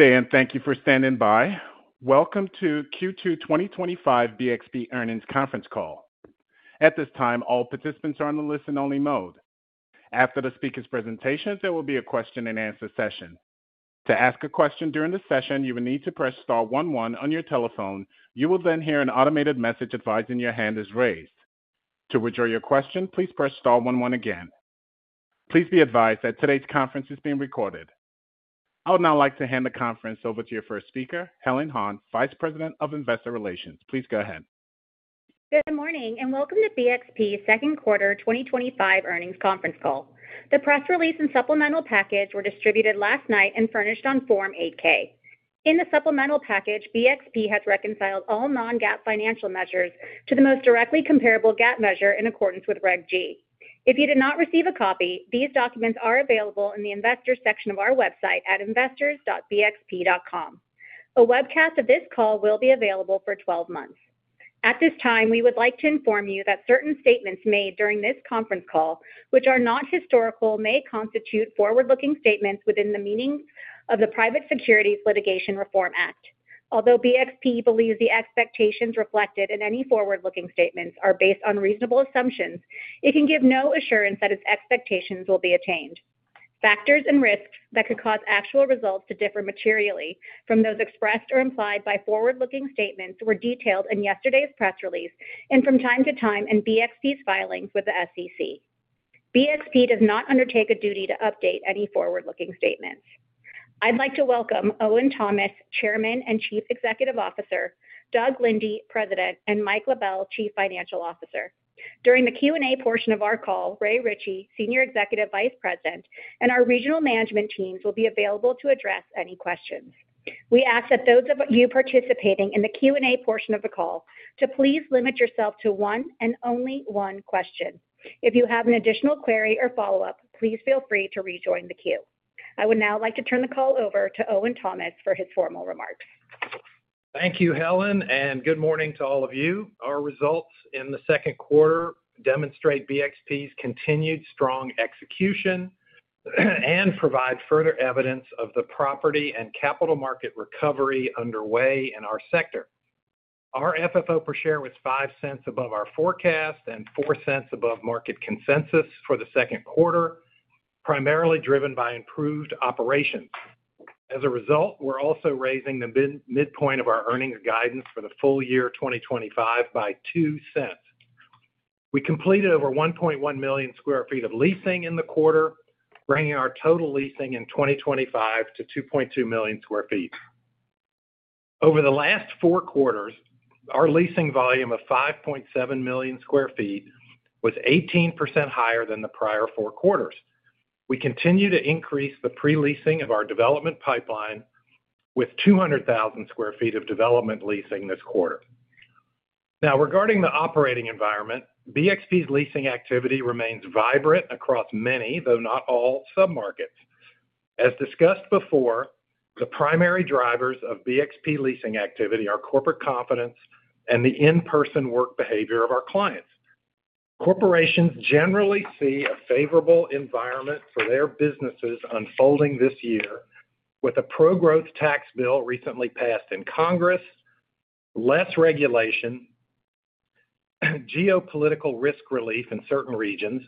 Good day and thank you for standing by. Welcome to Q2 2025 BXP Earnings Conference Call. At this time all participants are in the listen only mode. After the speaker's presentation, there will be a question and answer session. To ask a question during the session, you will need to press star one one on your telephone. You will then hear an automated message advising your hand is raised. To withdraw your question, please press star one one again. Please be advised that today's conference is being recorded. I would now like to hand the conference over to your first speaker, Helen Han, Vice President of Investor Relations. Please go ahead. Good morning and welcome to BXP Second Quarter 2025 Earnings Conference Call. The press release and supplemental package were distributed last night and furnished on Form 8-K. In the supplemental package, BXP has reconciled all non-GAAP financial measures to the most directly comparable GAAP measure in accordance with Reg. G. If you did not receive a copy, these documents are available in the Investors section of our website at investors.bxp.com. A webcast of this call will be available for 12 months. At this time we would like to inform you that certain statements made during this conference call which are not historical, may constitute forward-looking statements within the meaning of the Private Securities Litigation Reform Act. Although BXP believes the expectations reflected in any forward-looking statements are based on reasonable assumptions, it can give no assurance that its expectations will be attained. Factors and risks that could cause actual results to differ materially from those expressed or implied by forward-looking statements were detailed in yesterday's press release and from time to time in BXP's filings with the SEC. BXP does not undertake a duty to update any forward-looking statements. I'd like to welcome Owen Thomas, Chairman and Chief Executive Officer, Doug Linde, President, and Mike LaBelle, Chief Financial Officer. During the Q &A portion of our call, Ray Ritchey, Senior Executive Vice President, and our regional management teams will be available to address any questions. We ask that those of you participating in the Q and A portion of the call to please limit yourself to one and only one question. If you have an additional query or follow-up, please feel free to rejoin the queue. I would now like to turn the call over to Owen Thomas for his formal remarks. Thank you, Helen, and good morning to all of you. Our results in the second quarter demonstrate BXP's continued strong execution and provide further evidence of the property and capital market recovery underway in our sector. Our FFO per share was $0.05 above our forecast and $0.04 above market consensus for the second quarter, primarily driven by improved operations. As a result, we're also raising the midpoint of our earnings guidance for the full year 2025 by $0.02. We completed over 1.1 million square feet of leasing in the quarter, bringing our total leasing in 2025 to 2.2 million square feet. Over the last four quarters, our leasing volume of 5.7 million square feet was 18% higher than the prior four quarters. We continue to increase the preleasing of our development pipeline with 200,000 square feet of development leasing this quarter. Now, regarding the operating environment, BXP's leasing activity remains vibrant across many, though not all, submarkets. As discussed before, the primary drivers of BXP leasing activity are corporate confidence and the in-person work behavior of our clients. Corporations generally see a favorable environment for their businesses unfolding this year with a pro-growth tax bill recently passed in Congress, less regulation, geopolitical risk relief in certain regions,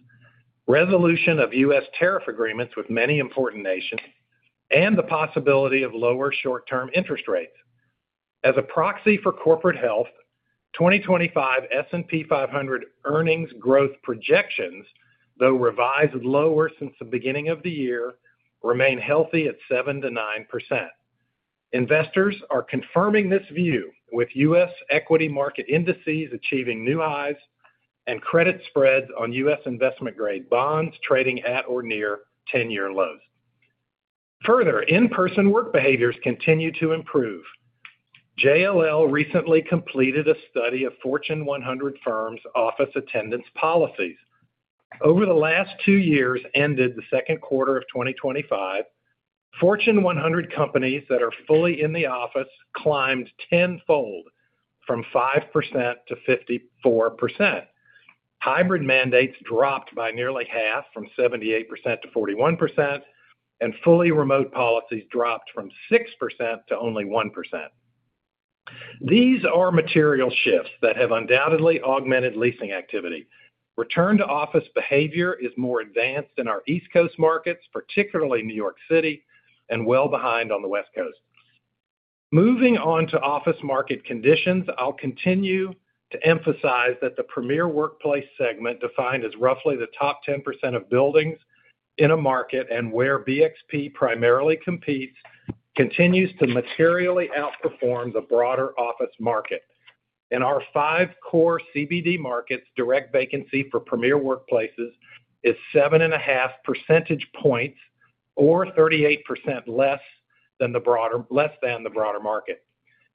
resolution of U.S. tariff agreements with many important nations, and the possibility of lower short term interest rates as a proxy for corporate health. 2025 S&P 500 earnings growth projections, though revised lower since the beginning of the year, remain healthy at 7% to 9%. Investors are confirming this view with U.S. equity market indices achieving new highs and credit spreads on U.S. investment grade bonds trading at or near 10-year lows. Further, in-person work behaviors continue to improve. JLL recently completed a study of Fortune 100 firms' office attendance policies. Over the last two years ended the second quarter of 2025, Fortune 100 companies that are fully in the office climbed tenfold from 5% to 54%. Hybrid mandates dropped by nearly half from 78% to 41%, and fully remote policies dropped from 6% to only 1%. These are material shifts that have undoubtedly augmented leasing activity. Return to office behavior is more advanced in our East Coast markets, particularly New York City, and well behind on the West Coast. Moving on to office market conditions, I'll continue to emphasize that the premier workplace segment, defined as roughly the top 10% of buildings in a market and where BXP primarily competes, continues to materially outperform. The broader office market. In our five core CBD markets, direct vacancy for premier workplaces is seven and a half percentage points, or 38% less than the broader market,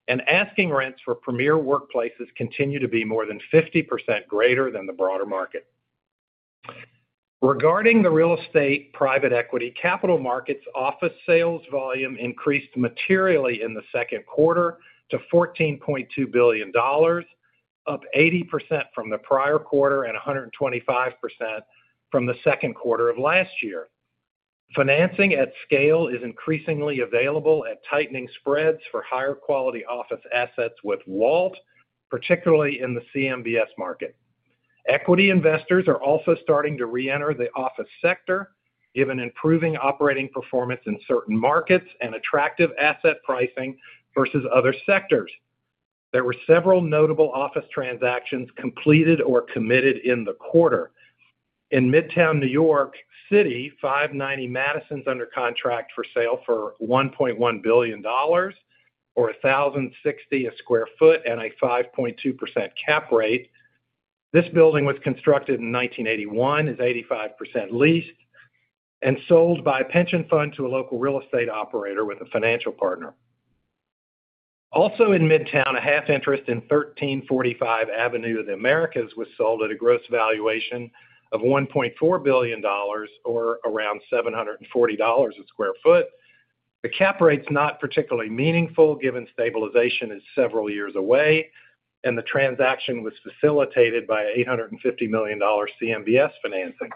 and asking rents for premier workplaces continue to be more than 50% greater than the broader market. Regarding the real estate private equity capital markets, office sales volume increased materially in the second quarter to $14.2 billion, up 80% from the prior quarter and 125% from the second quarter of last year. Financing at scale is increasingly available at tightening spreads for higher quality office assets with WALT, particularly in the CMBS market. Equity investors are also starting to re enter the office sector given improving operating performance in certain markets and attractive asset pricing versus other sectors. There were several notable office transactions completed or committed in the quarter. In Midtown New York City, 590 Madison is under contract for sale for $1.1 billion or $1,060 a square feet and a 5.2% cap rate. This building was constructed in 1981, is 85% leased, and sold by a pension fund to a local real estate operator with a financial partner. Also in Midtown, a half interest in 1345 Avenue of the Americas was sold at a gross valuation of $1.4 billion or around $740 a square feet. The cap rate is not particularly meaningful given stabilization is several years away and the transaction was facilitated by $850 million CMBS financing.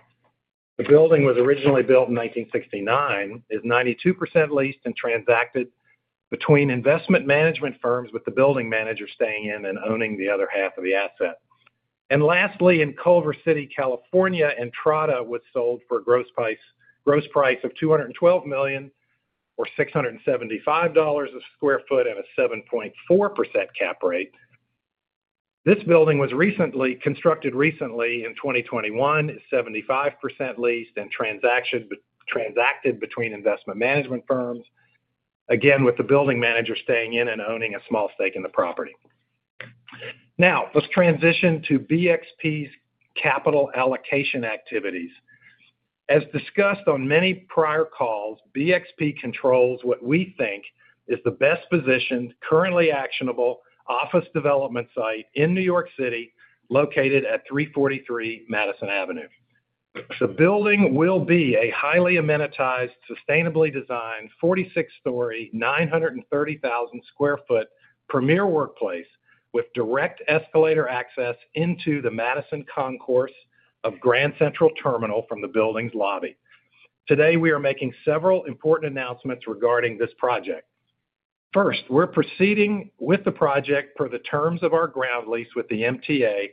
The building was originally built in 1969, is 92% leased, and transacted between investment management firms with the building manager staying in and owning the other half of the asset. Lastly, in Culver City, California, Entrada was sold for a gross price of $212 million or $675 a square feet and a 7.4% cap rate. This building was constructed recently in 2021, is 75% leased, and transacted between investment management firms, again with the building manager staying in and owning a small. Stake in the property. Now let's transition to BXP's capital allocation activities. As discussed on many prior calls, BXP controls what we think is the best positioned, currently actionable office development site in New York City located at 343 Madison Avenue, the building will be a highly amenitized, sustainably designed, 46-story, 930,000 square feet premier workplace with direct escalator access into the Madison Concourse of Grand Central Terminal from the building's lobby. Today we are making several important announcements regarding this project. First, we're proceeding with the project per the terms of our ground lease with the MTA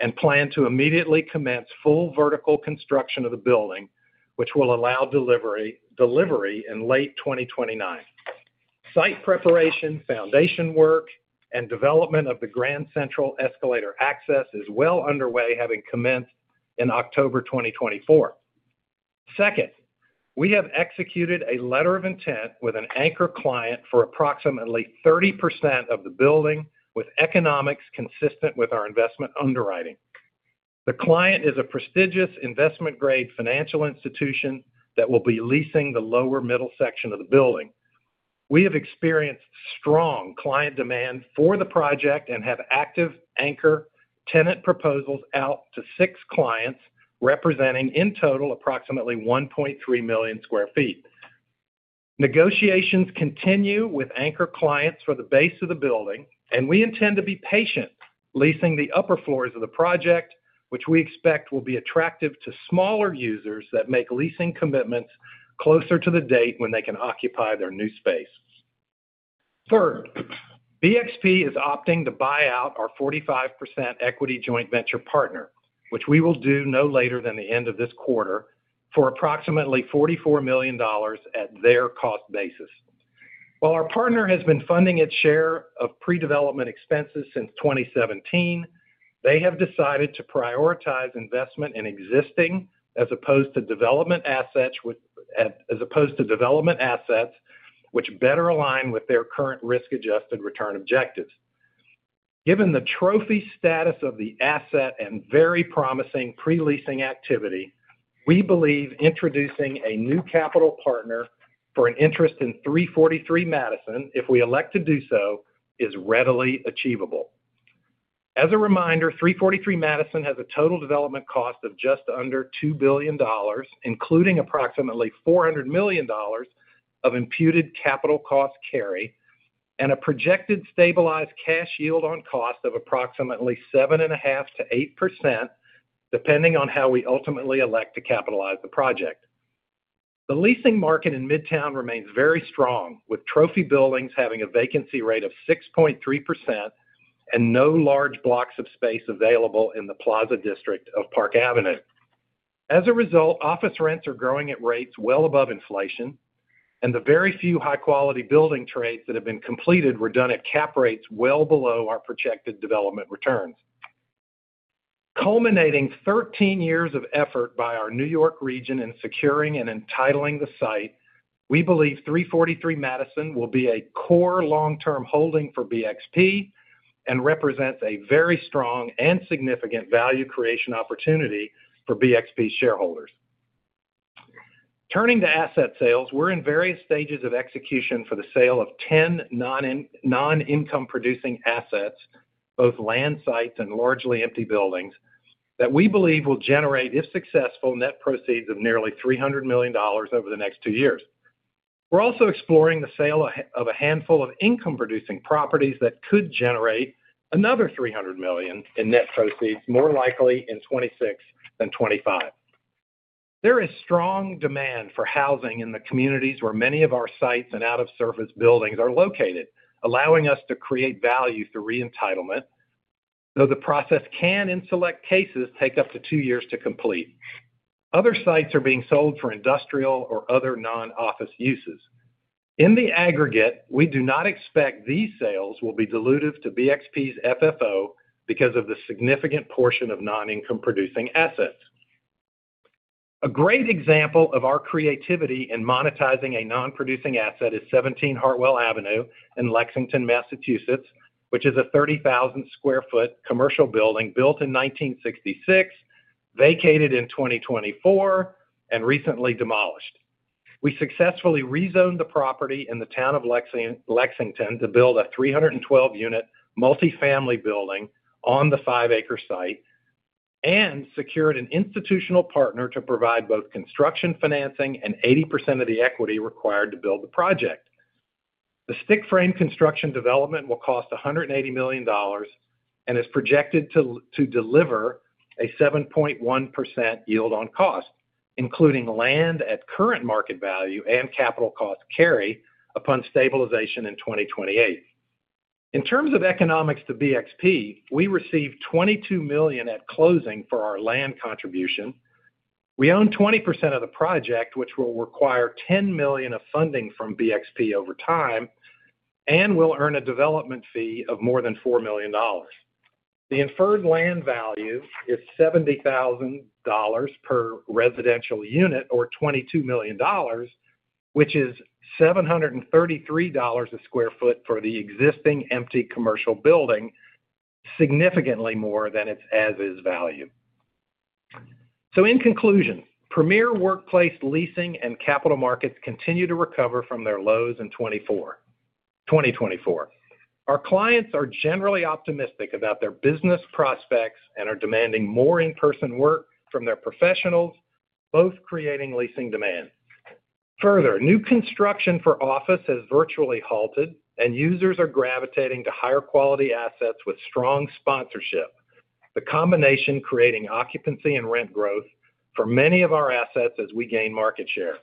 and plan to immediately commence full vertical construction of the building which will allow delivery in late 2029. Site preparation, foundation work, and development of the Grand Central escalator access is well underway having commenced in October 2024. Second, we have executed a letter of intent with an anchor client for approximately 30% of the building with economics consistent with our investment underwriting. The client is a prestigious investment grade financial institution that will be leasing the lower middle section of the building. We have experienced strong client demand for the project and have active anchor tenant proposals out to six clients representing in total approximately 1.3 million square feet. Negotiations continue with anchor clients for the base of the building and we intend to be patient leasing the upper floors of the project, which we expect will be attractive to smaller users that make leasing commitments closer to the date when they can occupy their new space. Third, BXP is opting to buy out our 45% equity joint venture partner which we will do no later than the end of this quarter for approximately $44 million at their cost basis. While our partner has been funding its share of predevelopment expenses since 2017, they have decided to prioritize investment in existing as opposed to development assets which better align with their current risk adjusted return objectives. Given the trophy status of the asset and very promising preleasing activity, we believe introducing a new capital partner for an interest in 343 Madison if we elect to do so, is readily achievable. As a reminder, 343 Madison has a total development cost of just under $2 billion including approximately $400 million of imputed capital cost carry and a projected stabilized cash yield on cost of approximately 7.5% to 8% depending on how we ultimately elect to capitalize the project. The leasing market in Midtown remains very strong with trophy buildings having a vacancy rate of 6.3% and no large blocks of space available in the Plaza district of Park Avenue. As a result, office rents are growing at rates well above inflation and the very few high quality building trades that have been completed were done at cap rates well below our projected development returns. Culminating 13 years of effort by our New York region in securing and entitling the site, we believe 343 Madison will be a core long term holding for BXP and represents a very strong and significant value creation opportunity for BXP shareholders. Turning to asset sales, we're in various stages of execution for the sale of 10 non income producing assets, both land sites and largely empty buildings that we believe will generate if successful net proceeds of nearly $300 million over the next two years. We're also exploring the sale of a handful of income producing properties that could generate another $300 million in net proceeds, more likely in 2026 than 2025. There is strong demand for housing in the communities where many of our sites and out of service buildings are located, allowing us to create value through re entitlement. Though the process can in select cases take up to two years to complete. Other sites are being sold for industrial or other non office uses. In the aggregate. We do not expect these sales will be dilutive to BXP's FFO because of the significant portion of non income producing assets. A great example of our creativity in monetizing a non producing asset is 17 Hartwell Avenue in Lexington, Massachusetts which is a 30,000 square feet commercial building built in 1966, vacated in 2024 and recently demolished. We successfully rezoned the property in the town of Lexington to build a 312 unit multifamily building on the 5 acre site and secured an institutional partner to provide both construction financing and 80% of the equity required to build the project. The stick frame construction development will cost $180 million and is projected to deliver a 7.1% yield on cost including land at current market value and capital cost carry upon stabilization in 2028. In terms of economics to BXP, we received $22 million at closing for our land contribution. We own 20% of the project which will require $10 million of funding from BXP over time and will earn a development fee of more than $4 million. The inferred land value is $70,000 per residential unit or $22 million, which is $733 a square feet for the existing empty commercial building, significantly more than its as is value. In conclusion, Premier Workplace Leasing and capital markets continue to recover from their lows in 2024. Our clients are generally optimistic about their business prospects and are demanding more in person work from their professionals, both creating leasing demand. Further, new construction for office has virtually halted and users are gravitating to higher quality assets with strong sponsorship, the combination creating occupancy and rent growth for many of our assets as we gain market share.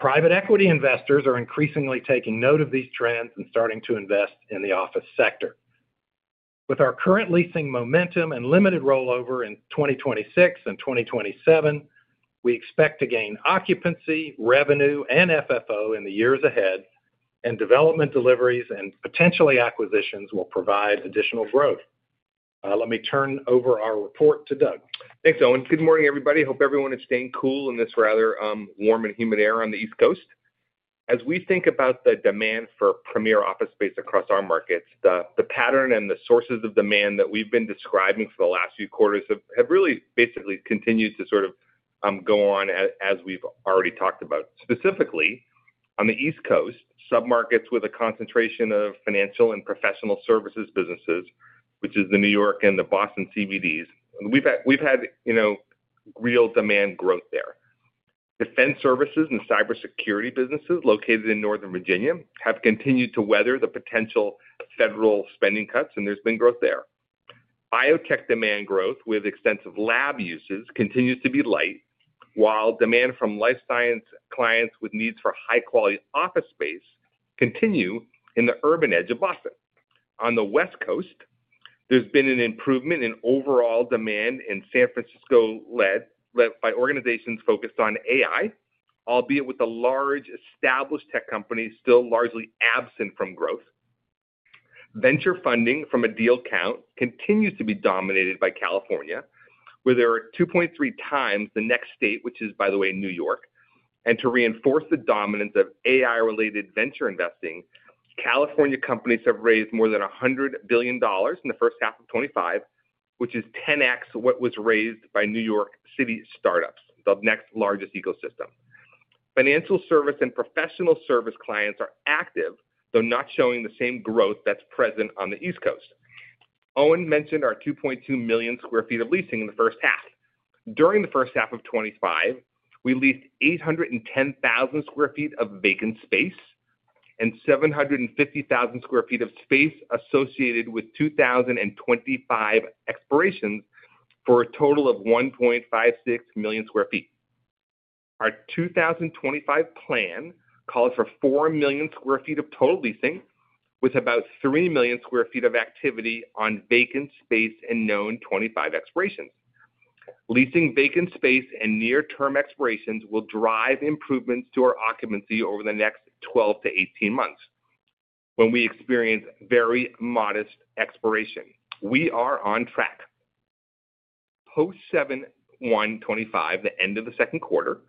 Private equity investors are increasingly taking note of these trends and starting to invest in the office sector. With our current leasing momentum and limited rollover in 2026 and 2027, we expect to gain occupancy, revenue, and FFO in the years ahead and development, deliveries, and potentially acquisitions will provide additional growth. Let me turn over our report to Doug. Thanks Owen. Good morning everybody. Hope everyone is staying cool in this rather warm and humid air on the East Coast. As we think about the demand for premier office space across our markets, the pattern and the sources of demand that we've been describing for the last few quarters have really basically continued to sort of go on as we've already talked about specifically on the East Coast submarkets with a concentration of financial and professional services businesses, which is the New York and the Boston CBDs. We've had real demand growth there. Defense services and cybersecurity businesses located in Northern Virginia have continued to weather the potential federal spending cuts and there's been growth there. Biotech demand growth with extensive lab uses continues to be light, while demand from life science clients with needs for high quality office space continue in the urban edge of Boston. On the West Coast, there's been an improvement in overall demand in San Francisco led by organizations focused on AI, albeit with a large established tech company still largely absent from growth. Venture funding from a deal count continues to be dominated by California, where there are 2.3 times the next state, which is by the way New York. To reinforce the dominance of AI related venture investing, California companies have raised more than $100 billion in first half 2025, which is 10x what was raised by New York City startups. The next largest ecosystem financial service and professional service clients are active, though not showing the same growth that's present on the East Coast. Owen mentioned our 2.2 million square feet of leasing in the first half. During first half 2025 we leased 810,000 square feet of vacant space and 750,000 square feet of space associated with 2025 expirations, for a total of 1.56 million square feet. Our 2025 plan calls for 4 million square feet of total leasing with 3 million square feetof activity on vacant space and known 2025 expirations. Leasing vacant space and near term expirations will drive improvements to our occupancy over the next 12 to 18 months when we experience very modest expiration. We are on track post 7/1/2025, the end of the second quarter.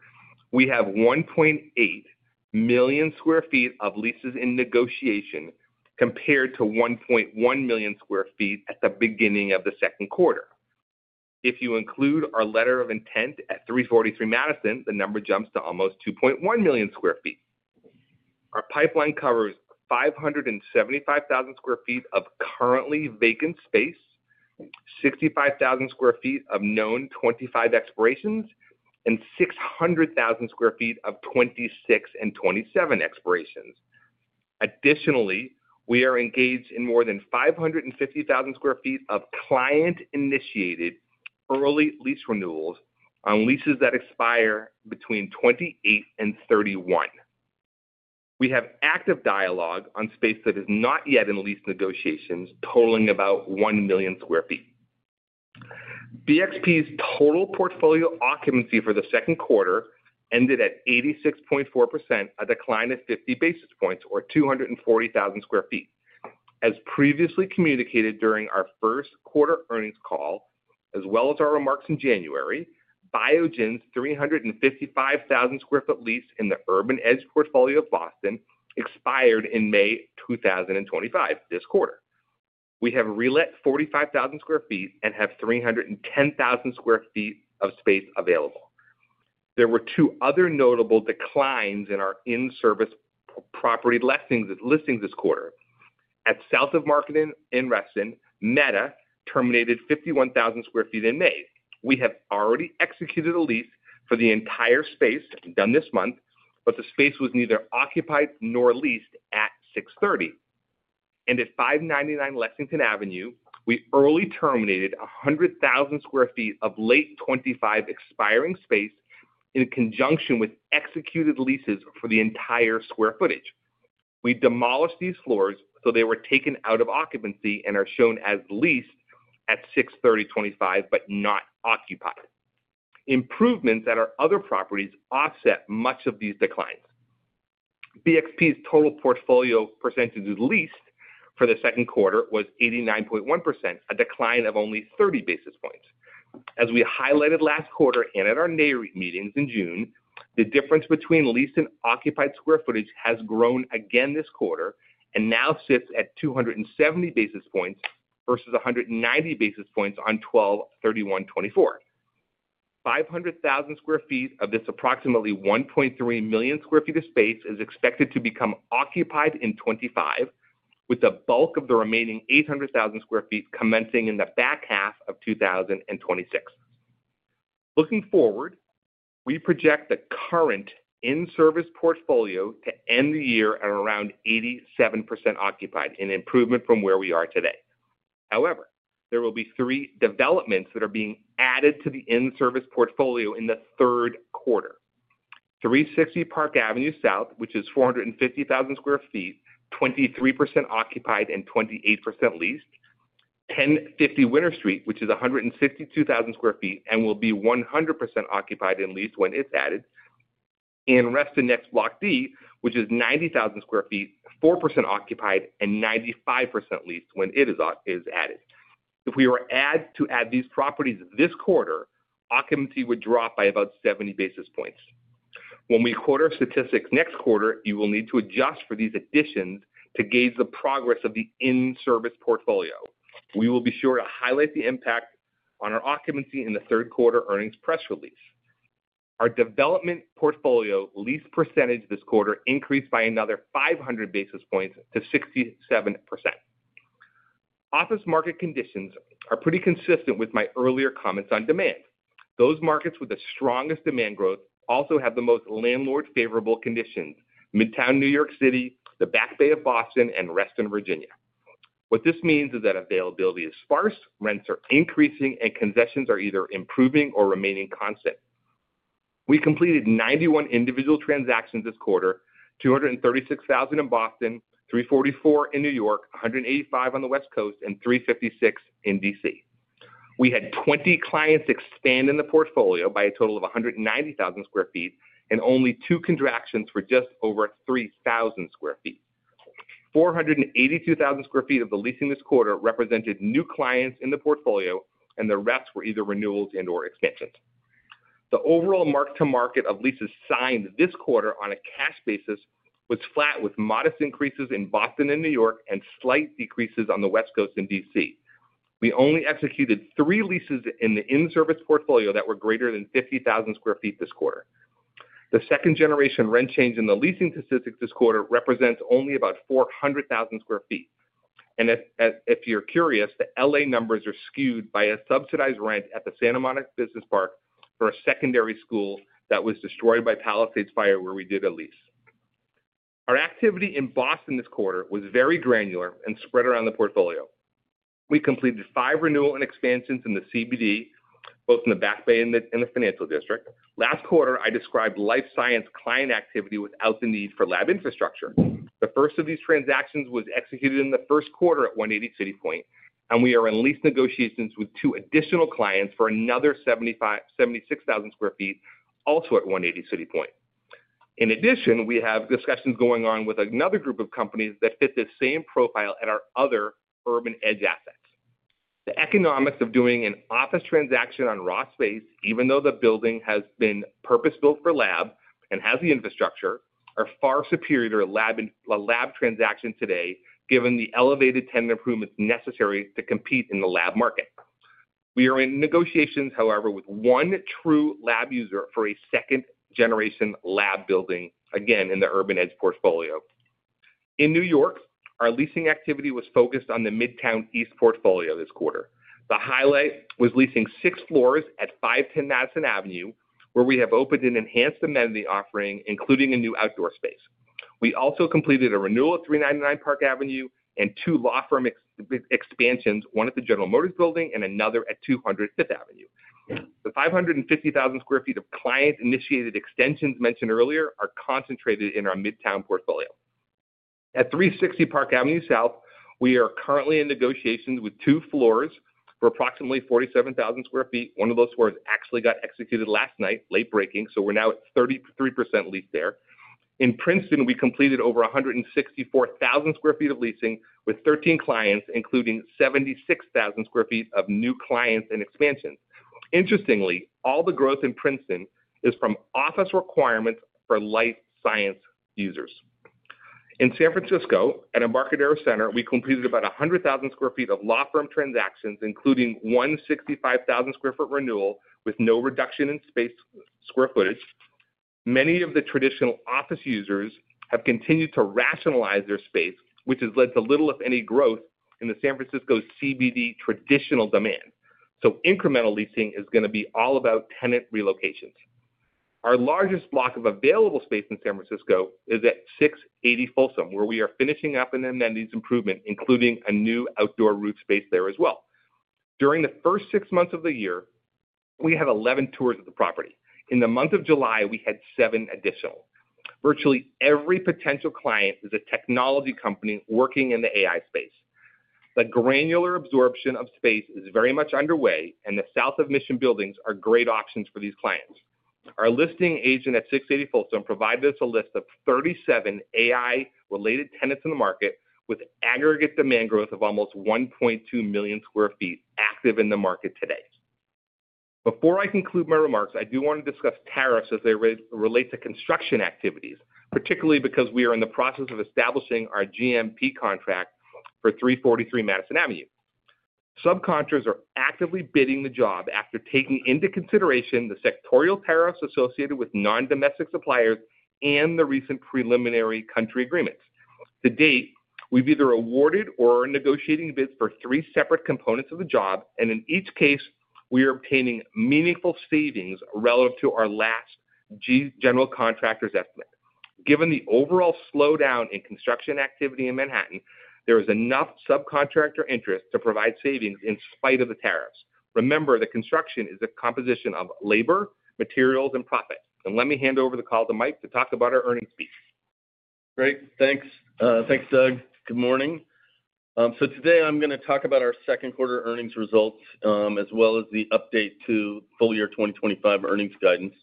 We have 1.8 million square feet of leases in negotiation compared to 1.1 million square feet at the beginning of the second quarter. If you include our letter of intent at 343 Madison, the number jumps to almost 2.1 million square feet. Our pipeline covers 575,000 square feet of currently vacant space, 65,000 square feet of known 2025 expirations, and 600,000 square feet of 2026 and 2027 expirations. Additionally, we are engaged in more than 550,000 square feet of client-initiated early lease renewals on leases that expire between 2028 and 2031. We have active dialogue on space that is not yet in lease negotiations totaling about 1 millionsquare feet. BXP's total portfolio occupancy for the second quarter ended at 86.4%, a decline of 50 basis points or 240,000square feet. As previously communicated during our first quarter earnings call as well as our remarks in January, Biogen's 355,000 square feet lease in the Urban Edge portfolio of Boston expired in May 2025, this quarter. We have re-let 45,000 square feet and have 310,000 square feet of space available. There were two other notable declines in our in-service property listings this quarter. At South of Market in Reston, Meta terminated 51,000 square feet in May. We have already executed a lease for the entire space done this month, but the space was neither occupied nor leased at 6:30 and at 599 Lexington Avenue we early terminated 100,000 square feet of late 2025 expiring space in conjunction with executed leases for the entire square footage. We demolished these floors so they were taken out of occupancy and are shown as leased at 6:30, 2025 but not occupied. Improvements at our other properties offset much of these declines. BXP's total portfolio percentage leased for the second quarter was 89.1%, a decline of only 30 basis points. As we highlighted last quarter and at our Nareit meetings in June, the difference between leased and occupied square footage has grown again this quarter and now sits at 270 basis points versus 190 basis points on December 31, 2024. 500,000 square feet of this approximately 1.3 million square feet of space is expected to become occupied in 2025, with the bulk of the remaining 800,000 square feet commencing in the back half of 2026. Looking forward, we project the current in-service portfolio to end the year at around 87% occupied, an improvement from where we are today. However, there will be three developments that are being added to the in-service portfolio in the third quarter. 360 Park Avenue South, which is 450,000 square feet, 23% occupied and 28% leased, 1050 Winter Street, which is 162,000 square feet and will be 100% occupied and leased when it is added, and Reston Next Block D, which is square feett, 4% occupied and 95% leased when it is added. If we were to add these properties this quarter, occupancy would drop by about 70 basis points. When we quote our statistics next quarter, you will need to adjust for these additions to gauge the progress of the in-service portfolio. We will be sure to highlight the impact on our occupancy in the third quarter earnings press release. Our development portfolio lease percentage this quarter increased by another 500 basis points to 67%. Office market conditions are pretty consistent with my earlier comments on demand. Those markets with the strongest demand growth also have the most landlord favorable conditions: Midtown, New York City, the Back Bay of Boston, and Reston, Virginia. What this means is that availability is sparse, rents are increasing, and concessions are either improving or remaining constant. We completed 91 individual transactions this quarter, 236,000 in Boston, 344,000 in New York, 185,000 on the West Coast, and 356,000 in D.C. We had 20 clients expand in the portfolio by a total of 190,000 square feet and only 2 contractions for just over 3,000 square feet. 482,000 square feet of the leasing this quarter represented new clients in the portfolio and the rest were either renewals and or extensions. The overall mark to market of leases signed this quarter on a cash basis was flat with modest increases in Boston and New York and slight decreases on the West Coast in D.C. we only executed three leases in the in-service portfolio that were greater than 50,000 square feet this quarter. The second generation rent change in the leasing statistics this quarter represents only about 400,000 square feet and if you are curious, the L.A. numbers are skewed by a subsidized rent at the Santa Monica Business Park for a secondary school that was destroyed by the Palisades fire where we did a lease. Our activity in Boston this quarter was very granular and spread around the portfolio. We completed five renewal and expansions in the CBD, both in the Back Bay and the Financial District. Last quarter I described life science client activity without the need for lab infrastructure. The first of these transactions was executed in the first quarter at 180 City Point and we are in lease negotiations with two additional clients for another 76,000 square feet also at 180 City Point. In addition, we have discussions going on with another group of companies that fit the same profile at our other Urban Edge assets. The economics of doing an office transaction on raw space even though the building has been purpose built for lab and has the infrastructure are far superior to a lab transaction today given the elevated tenant improvements necessary to compete in the lab market. We are in negotiations however with one true lab user for a second-generation lab building again in the Urban Edge portfolio. In New York, our leasing activity was focused on the Midtown East portfolio this quarter. The highlight was leasing six floors at 510 Madison Avenue where we have opened an enhanced amenity offering including a new outdoor space. We also completed a renewal at 399 Park Avenue and two law firm expansions, one at the General Motors Building and another at 205th Avenue. The 550,000 square feet of client-initiated extensions mentioned earlier are concentrated in our Midtown portfolio at 360 Park Avenue South. We are currently in negotiations with two floors for approximately 47,000 square feet. One of those floors actually got executed last night, late breaking, so we're now at 33% leased there. In Princeton, we completed over square feet of leasing with 13 clients, including 76,000 square feet of new clients and expansion. Interestingly, all the growth in Princeton is from office requirements for life science users. In San Francisco, at Embarcadero Center, we completed about 100,000 square feet of law firm transactions including one 65,000 square feet renewal with no reduction in space square footage. Many of the traditional office users have continued to rationalize their space, which has led to little if any growth in the San Francisco CBD traditional demand. Incremental leasing is going to be all about tenant relocations. Our largest block of available space in San Francisco is at 680 Folsom where we are finishing up an amenities improvement including a new outdoor roof space there as well. During the first six months of the year we have had 11 tours of the property. In the month of July we had seven additional. Virtually every potential client is a technology company working in the AI space. The granular absorption of space is very much underway and the south of Mission buildings are great options for these clients. Our listing agent at 680 Folsom provided us a list of 37 AI related tenants in the market, with aggregate demand growth of almost 1.2 million square feet active in the market today. Before I conclude my remarks, I do want to discuss tariffs as they relate to construction activities, particularly because we are in the process of establishing our GMP contract for 343 Madison Avenue. Subcontractors are actively bidding the job after taking into consideration the sectorial tariffs associated with non domestic suppliers and the recent preliminary country agreements. To date, we have either awarded or are negotiating bids for three separate components of the job and in each case we are obtaining meaningful savings relative to our last general contractor's estimate. Given the overall slowdown in construction activity in Manhattan, there is enough subcontractor interest to provide savings in spite of the tariffs. Remember, the construction is a composition of labor, materials and profit. Let me hand over the call to Mike to talk about our earnings speech. Great, thanks, Doug. Good morning. Today I'm going to talk about our second quarter earnings results as well as the update to full year 2025 earnings guidance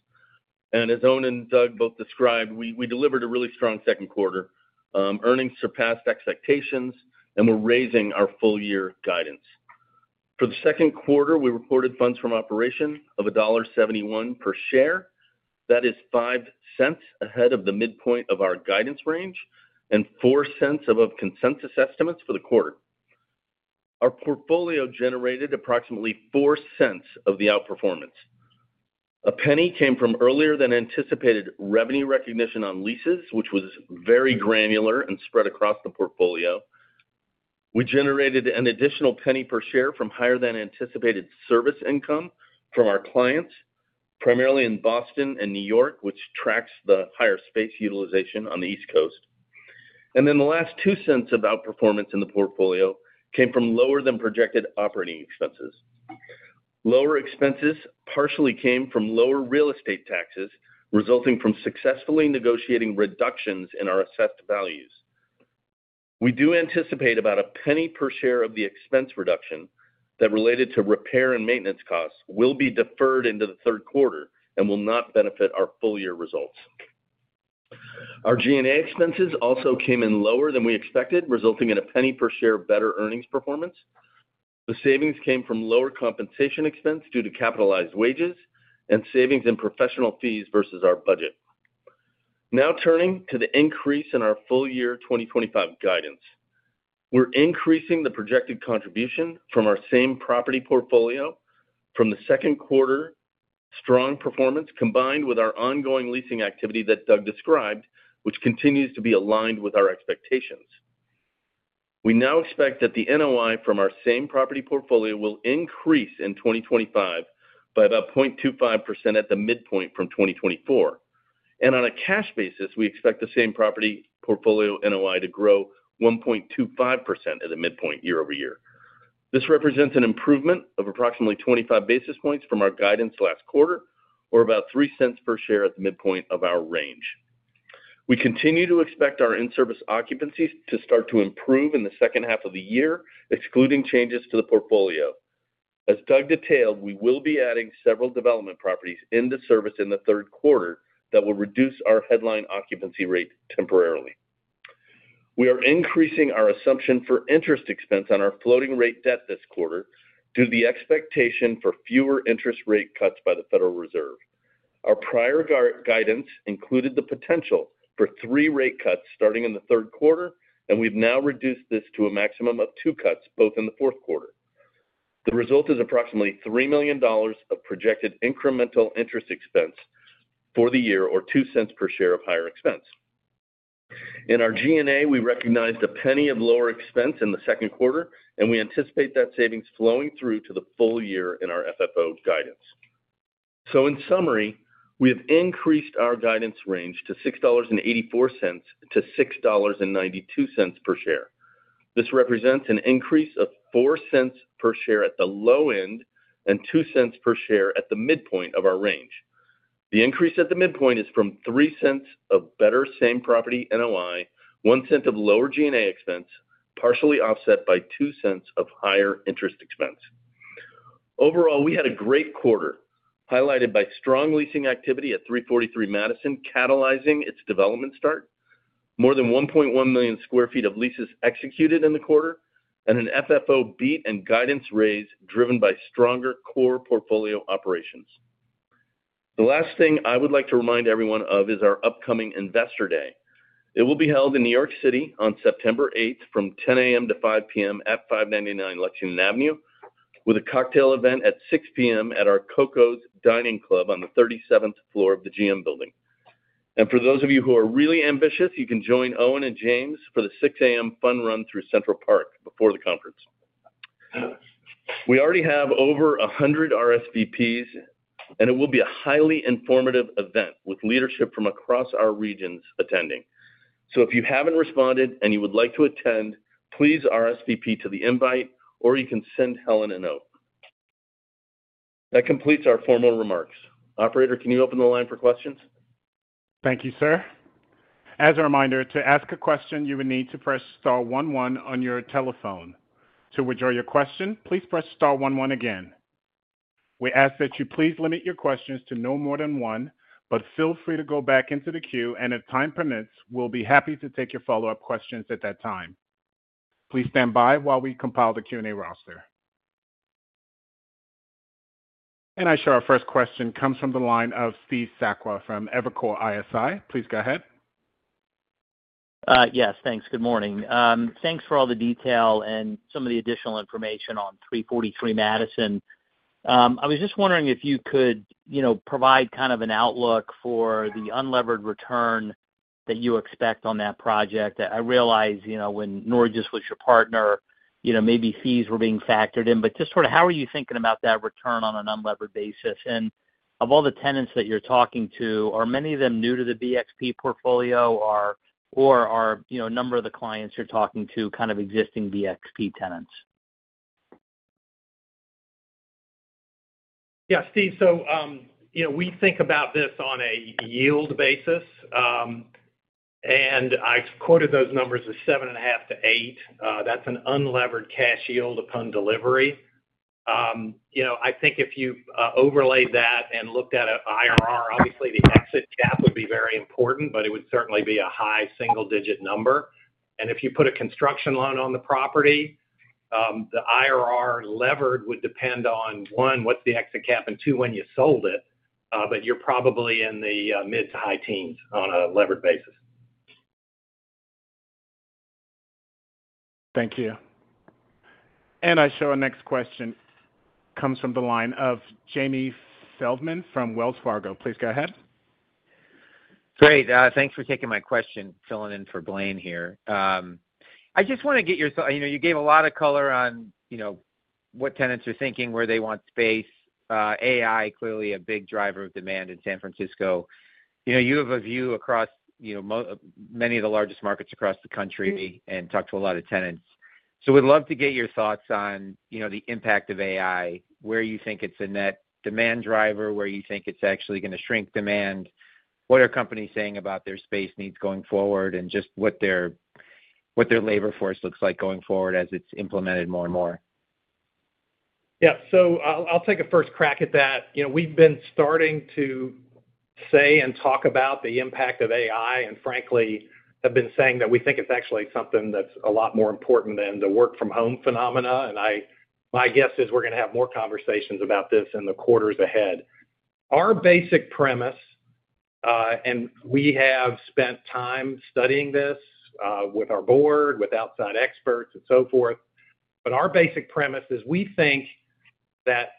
and as Owen and Doug both described, we delivered a really strong second quarter earnings surpassed expectations and we're raising our full year guidance. For the second quarter we reported funds from operation of $1.71 per share that is $0.05 ahead of the midpoint of our guidance range and $0.04 above consensus estimates for the quarter. Our portfolio generated approximately $0.04 of the outperformance. A penny came from earlier than anticipated revenue recognition on leases which was very granular and spread across the portfolio. We generated an additional penny per share from higher than anticipated service income from our clients primarily in Boston and New York, which tracks the higher space utilization on the East Coast. The last 2 cents of outperformance in the portfolio came from lower than projected operating expenses. Lower expenses partially came from lower real estate taxes resulting from successfully negotiating reductions in our assessed values. We do anticipate about a penny per share of the expense reduction that related to repair and maintenance costs will be deferred into the third quarter and will not benefit our full year results. Our G&A expenses also came in lower than we expected resulting in a penny per share better earnings performance. The savings came from lower compensation expense due to capitalized wages and savings in professional fees versus our budget. Now turning to the increase in our full year 2025 guidance, we're increasing the projected contribution from our same property portfolio from the second quarter strong performance combined with our ongoing leasing activity that Doug described, which continues to be aligned with our expectations. We now expect that the NOI from our same property portfolio will increase in 2025 by about 0.25% at the midpoint from 2024. On a cash basis, we expect the same property portfolio NOI to grow 1.25% at a midpoint year over year. This represents an improvement of approximately 25 basis points from our guidance last quarter or about $0.03 per share at the. Midpoint of our range. We continue to expect our in-service occupancies to start to improve in the second half of the year excluding changes to the portfolio. As Doug detailed, we will be adding several development properties into service in the third quarter that will reduce our headline occupancy rate temporarily. We are increasing our assumption for interest expense on our floating rate debt this quarter due to the expectation for fewer interest rate cuts by the Federal Reserve. Our prior guidance included the potential for three rate cuts starting in the third quarter and we've now reduced this to a maximum of two cuts both in the fourth quarter. The result is approximately $3 million of projected incremental interest expense for the year or $0.02 per share of higher expense in our G&A. We recognized a penny of lower expense in the second quarter and we anticipate that savings flowing through to the full year in our FFO guidance. In summary, we have increased our guidance range to $6.84 to $6.92 per share. This represents an increase of $0.04 per share at the low end and $0.02 per share at the midpoint of our range. The increase at the midpoint is from $0.03 of better same property NOI, $0.01 of lower G&A expense, partially offset by $0.02 of higher interest expense. Overall, we had a great quarter highlighted by strong leasing activity at 343 Madison catalyzing its development start, more than 1.1 million square feet of leases executed in the quarter and an FFO beat and guidance raise driven by stronger core portfolio operations. The last thing I would like to remind everyone of is our upcoming Investor Day. It will be held in New York City on September 8th from 10:00 A.M. to 5:00 P.M., at 599 Lexington Avenue with a cocktail event at 6:00 P.M. at our Coco's Dining Club on the 37th floor of the GM Building. For those of you who are really ambitious, you can join Owen and James for the 6:00 A.M. fun run through. Central Park before the conference. We already have over 100RSVPs and it will be a highly informative event with leadership from across our regions attending. If you have not responded and you would like to attend, please RSVP to the invite or you can send Helen a note. That completes our formal remarks. Operator, can you open the line for questions? Thank you, sir. As a reminder, to ask a question, you would need to press star one one on your telephone. To withdraw your question, please press star one one again. We ask that you please limit your questions to no more than one, but feel free to go back into the queue and if time permits, we'll be happy to take your follow-up questions at that time. Please stand by while we compile the Q&A roster, and I am sure our first question comes from the line of Steve Sakwa from Evercore ISI. Please go ahead. Yes, thanks. Good morning. Thanks for all the detail and some. Of the additional information on 343 Madison. I was just wondering if you could provide kind of an outlook for the unlevered return that you expect on that project. I realize when Norges was your partner. Maybe fees were being factored in, but. Just sort of how are you thinking? About that return on an unlevered basis. Of all the tenants that you're talking to, are many of them new to the BXP portfolio or are a number of the clients you're talking to kind of existing BXP tenants? Yeah, Steve, so, you know, we think about this on a yield basis and I quoted those numbers as 7.5% to 8%. That's an unlevered cash yield upon delivery. You know, I think if you overlaid that and looked at an IRR, obviously the exit cap would be very important, but it would certainly be a high single digit number. If you put a construction loan on the property, the IRR levered would depend on one, what's the BXP cap when you sold it, but you're probably in the mid to high. Teens on a levered basis. Thank you. I show our next question comes from the line of Jamie Feldman from Wells Fargo. Please go ahead. Great. Thanks for taking my question. Filling in for Blaine here. I just want to get your thought. You know, you gave a lot of. Color on, you know, what tenants are thinking, where they want space, AI clearly a big driver of demand in San Francisco. You know, you have a view across. You know, many of the largest across the country and talk to a lot of tenants. We'd love to get your thoughts on, you know, the impact of AI, where you think it's a net demand driver, where you think it's actually going to shrink demand? What are companies saying about their space needs going forward and just what their labor force looks like going forward as it's implemented more and more? Yeah, so I'll take a first crack at that. You know, we've been starting to say and talk about the impact of AI and frankly have been saying that we think it's actually something that's a lot more important than the work from home phenomena. My guess is we're going to have more conversations about this in the quarters ahead. Our basic premise, and we have spent time studying this with our board, with outside experts and so forth, but our basic premise is we think that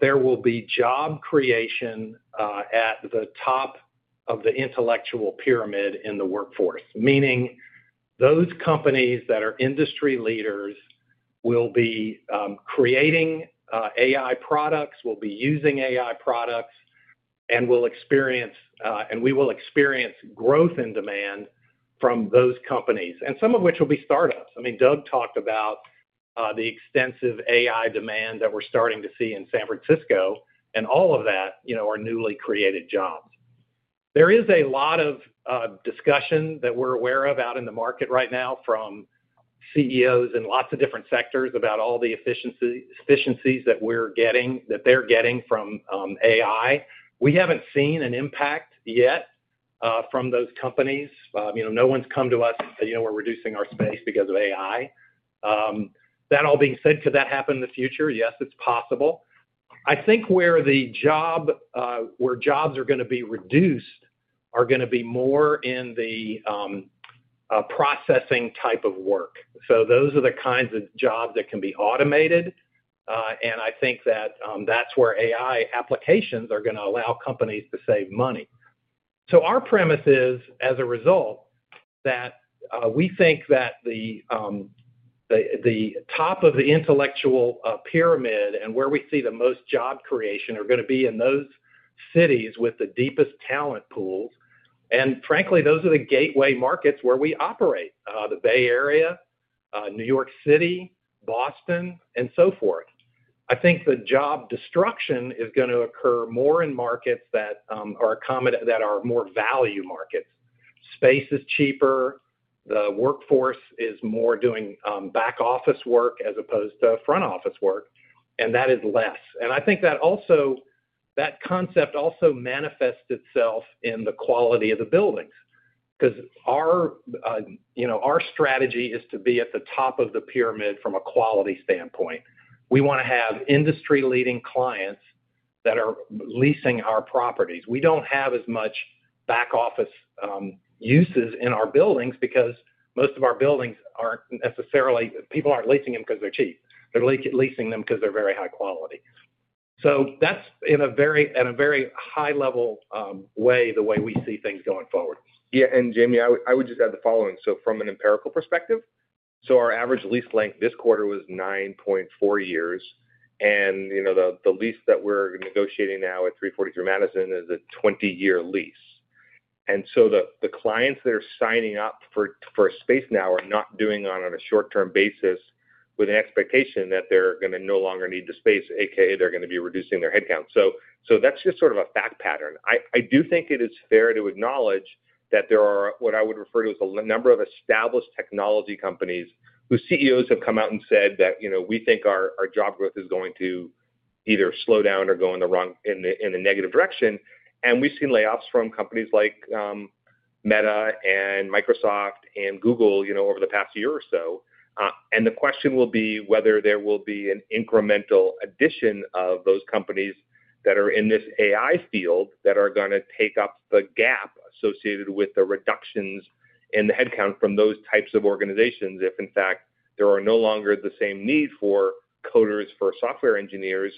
there will be job creation at the top of the intellectual pyramid in the workforce, meaning those companies that are industry leaders will be creating AI products, will be using AI products and we will experience growth in demand from those companies and some of which will be startups. I mean, Doug talked about the extensive AI demand that we're starting to see in San Francisco and all of that. Are newly created jobs. There is a lot of discussion that we're aware of out in the market right now from CEOs in lots of different sectors about all the efficiencies that we're getting, that they're getting from AI. We haven't seen an impact yet from those companies. No one's come to us. We're reducing our space because of AI. That all being said, could that happen in the future? Yes, it's possible. I think where jobs are going to be reduced are going to be more in the processing type of work. Those are the kinds of jobs that can be automated. I think that that's where AI applications are going to allow companies to save money. Our premise is as a result, that we think that the top of the intellectual pyramid and where we see the most job creation are going to be in those cities with the deepest talent pools. Frankly those are the gateway markets where we operate, the Bay Area, New York City, Boston and so forth. I think the job destruction is going to occur more in markets that are more value markets. Space is cheaper, the workforce is more doing back office work as opposed to front office work and that is less. I think that also, that concept also manifests itself in the quality of the buildings. Our strategy is to be at the top of the pyramid from a quality standpoint. We want to have industry leading clients that are leasing our properties. We don't have as much back office uses in our buildings because most of our buildings aren't necessarily, people aren't leasing them because they're cheap, they're leasing them because they're very high quality. That's at a very high level way, the way we see things going forward. Yes. Jamie, I would just add the following. From an empirical perspective, our average lease length this quarter was 9.4 years. You know, the lease that we're negotiating now at 343 Madison is a 20 year lease. The clients that are signing up for space now are not doing it on a short term basis with an expectation that they're going to no longer need the space, AKA they're going to be reducing their headcount. That's just sort of a fact pattern. I do think it is fair to acknowledge that there are what I would refer to as a number of established technology companies whose CEOs have come out and said that we think our job growth is going to either slow down or go in the negative direction. We've seen layoffs from companies like Meta, Microsoft, and Google over the past year or so. The question will be whether there will be an incremental addition of those companies that are in this AI field that are going to take up the gap associated with the reductions in the headcount from those types of organizations. If in fact there is no longer the same need for coders, for software engineers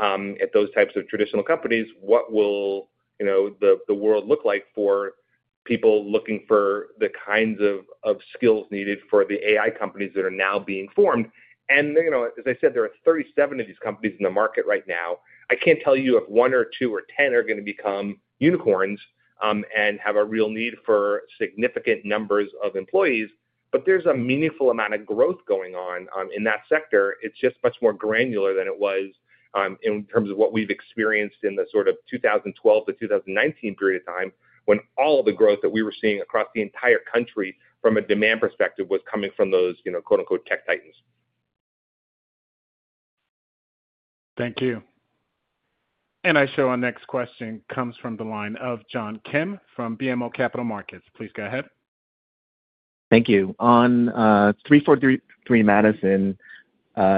at those types of traditional companies, what will the world look like for people looking for the kinds of skills needed for the AI companies that are now being formed? As I said, there are 37 of these companies in the market right now. I can't tell you if one or two or 10 are going to become unicorns and have a real need for significant numbers of employees. There's a meaningful amount of growth going on. In that sector. It's just much more granular than it was in terms of what we've experienced in the sort of 2012-2019 period of time when all of the growth that we were seeing across the entire country from a demand perspective was coming from those quote unquote tech titans. Thank you. I show our next question comes from the line of John Kim from BMO Capital Markets. Please go ahead. Thank you. On 343 Madison,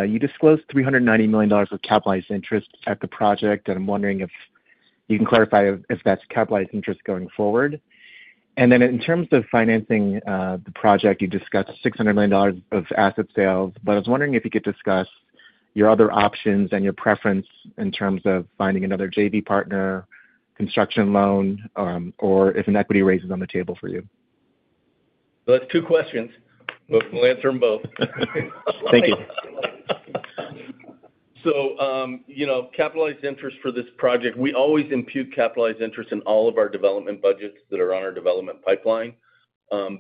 you disclosed $390 million of capitalized interest at the project. I'm wondering if you can clarify if that's capitalized interest going forward. In terms of financing the project, you discussed $600 million of asset sales. I was wondering if you could discuss your other options and your preference in terms of finding another JV partner, construction loan, or if an equity raise is on the table for you. That's two questions. We'll answer them both. Thank you. So you know, capitalized interest for this project, we always impute capitalized interest in all of our development budgets that are on our development pipeline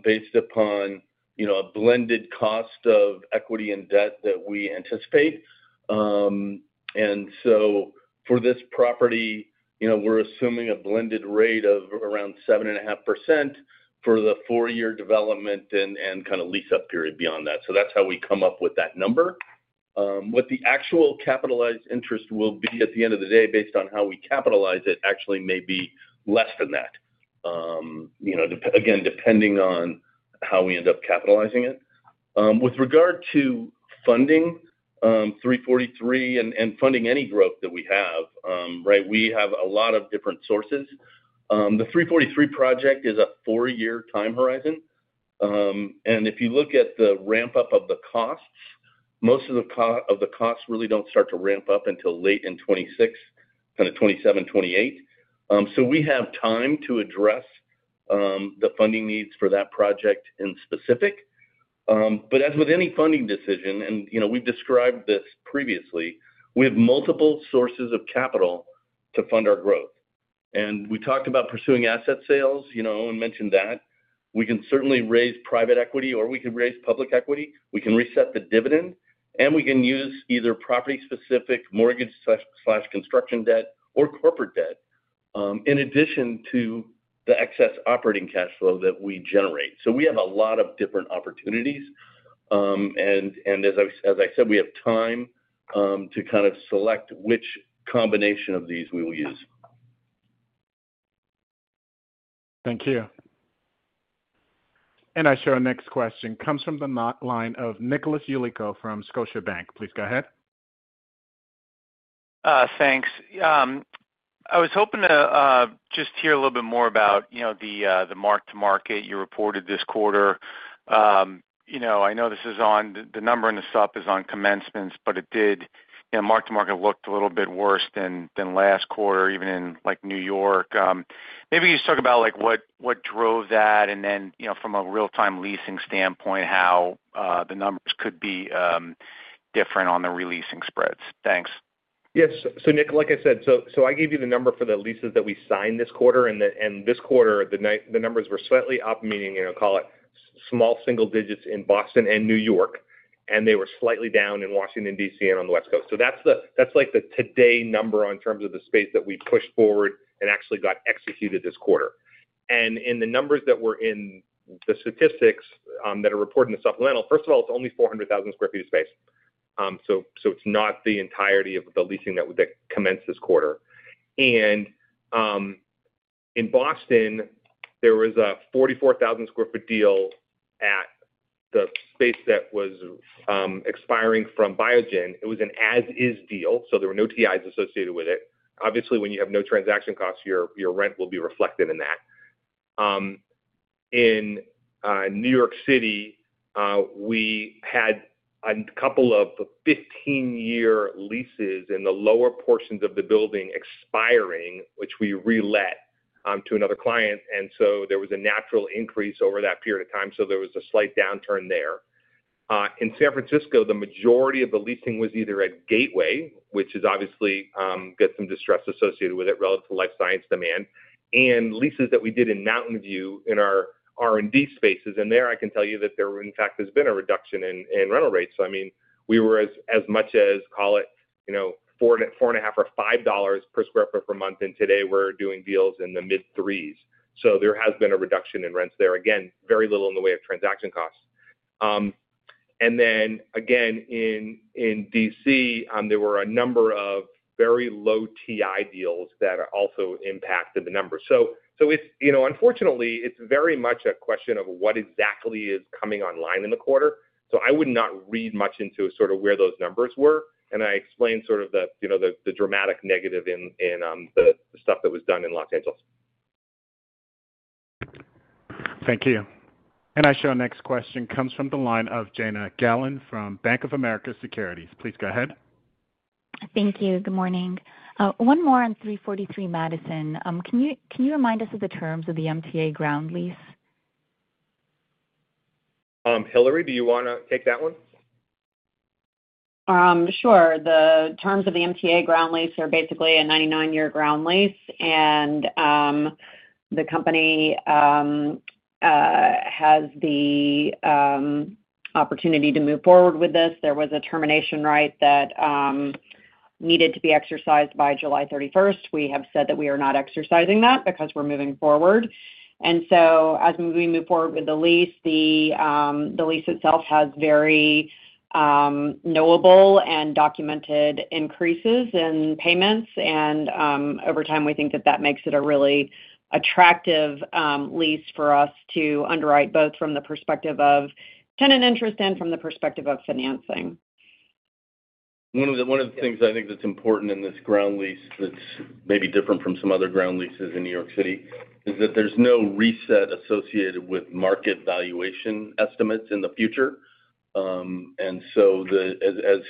based upon, you know, a blended cost of equity and debt that we anticipate. And so for this property, you know, we're assuming a blended rate of around 7.5% for the four year development and kind of lease up period beyond that. That's how we come up with that number. What the actual capitalized interest will be at the end of the day based on how we capitalize it actually may be less than that. Again, depending on how we end up capitalizing it. With regard to funding 343 and funding any growth that we have, we have a lot of different sources. The 343 project is a four year time horizon and if you look at the ramp up of the costs, most of the costs really don't start to ramp up until late in 2026, kind of 2027, 2028. We have time to address the funding needs for that project in specific. As with any funding decision and you know we've described this previously, we have multiple sources of capital to fund our growth. We talked about pursuing asset sales, and mentioned that we can certainly raise private equity or we could raise public equity, we can reset the dividend and we can use either property specific mortgage, construction debt or corporate debt in addition to the excess operating cash flow that we generate. We have a lot of different opportunities and as I said, we have time to kind of select which combination of these we will use. Thank you. I share our next question comes from the line of Nicholas Yulico from Scotiabank. Please go ahead. Thanks. I was hoping to just hear a. Little bit more about the mark to. Market you reported this quarter. You know, I know this is on the number and the sup is on commencements, but it did mark to market looked a little bit worse than last quarter even in like New York. Maybe you just talk about like what drove that and then from a real time leasing standpoint how the numbers could be different on the re leasing spreads. Thanks. Yes. Nick, like I said, I gave you the number for the leases that we signed this quarter and this quarter the numbers were slightly up, meaning call it small single digits in Boston and New York and they were slightly down in Washington, D.C. and on the West Coast. That is the today number in terms of the space that we pushed forward and actually got executed this quarter. In the numbers that were in the statistics that are reported in the supplemental, first of all, it is only 400,000 square feet of space, so it is not the entirety of the leasing that would commence this quarter. In Boston there was a 44,000 square feet deal at the space that was expiring from Biogen. It was an as is deal, so there were no TI's associated with it. Obviously, when you have no transaction costs, your rent will be reflected in that. In New York City we had a couple of 15-year leases in the lower portions of the building expiring which we re-let to another client, and so there was a natural increase over that period of time. There was a slight downturn there. In San Francisco, the majority of the leasing was either at Gateway, which has some distress associated with it relative to life science demand, and leases that we did in Mountain View in our R&D spaces. There I can tell you that there in fact has been a reduction in rental rates. I mean, we were as much as, call it, $4.50 or $5 per square feet per month, and today we are doing deals in the mid threes. There has been a reduction in rents there. Again, very little in the way of transaction costs. In D.C. there were a number of very low TI deals that also impacted the number. Unfortunately, it is very much a question of what exactly is coming online in the quarter. I would not read much into where those numbers were. I explained the dramatic negative in the stuff that was done in Los Angeles. Thank you. I share. Our next question comes from the line of Jana Galan from Bank of America Securities. Please go ahead. Thank you. Good morning. One more on 343 Madison. Can you remind us of the terms of the MTA ground lease? Hilary, do you want to take that one? Sure. The terms of the MTA ground lease are basically a 99 year ground lease and the company has the opportunity to move forward with this. There was a termination right that needed to be exercised by July 31st. We have said that we are not exercising that because we're moving forward. As we move forward with the lease, the lease itself has very knowable and documented increases in payments. Over time, we think that that makes it a really attractive lease for us to underwrite, both from the perspective of tenant interest and from the perspective of financing. One of the things I think that's important in this ground lease that may be different from some other ground leases in New York City is that there's no reset associated with market valuation estimates in the future. As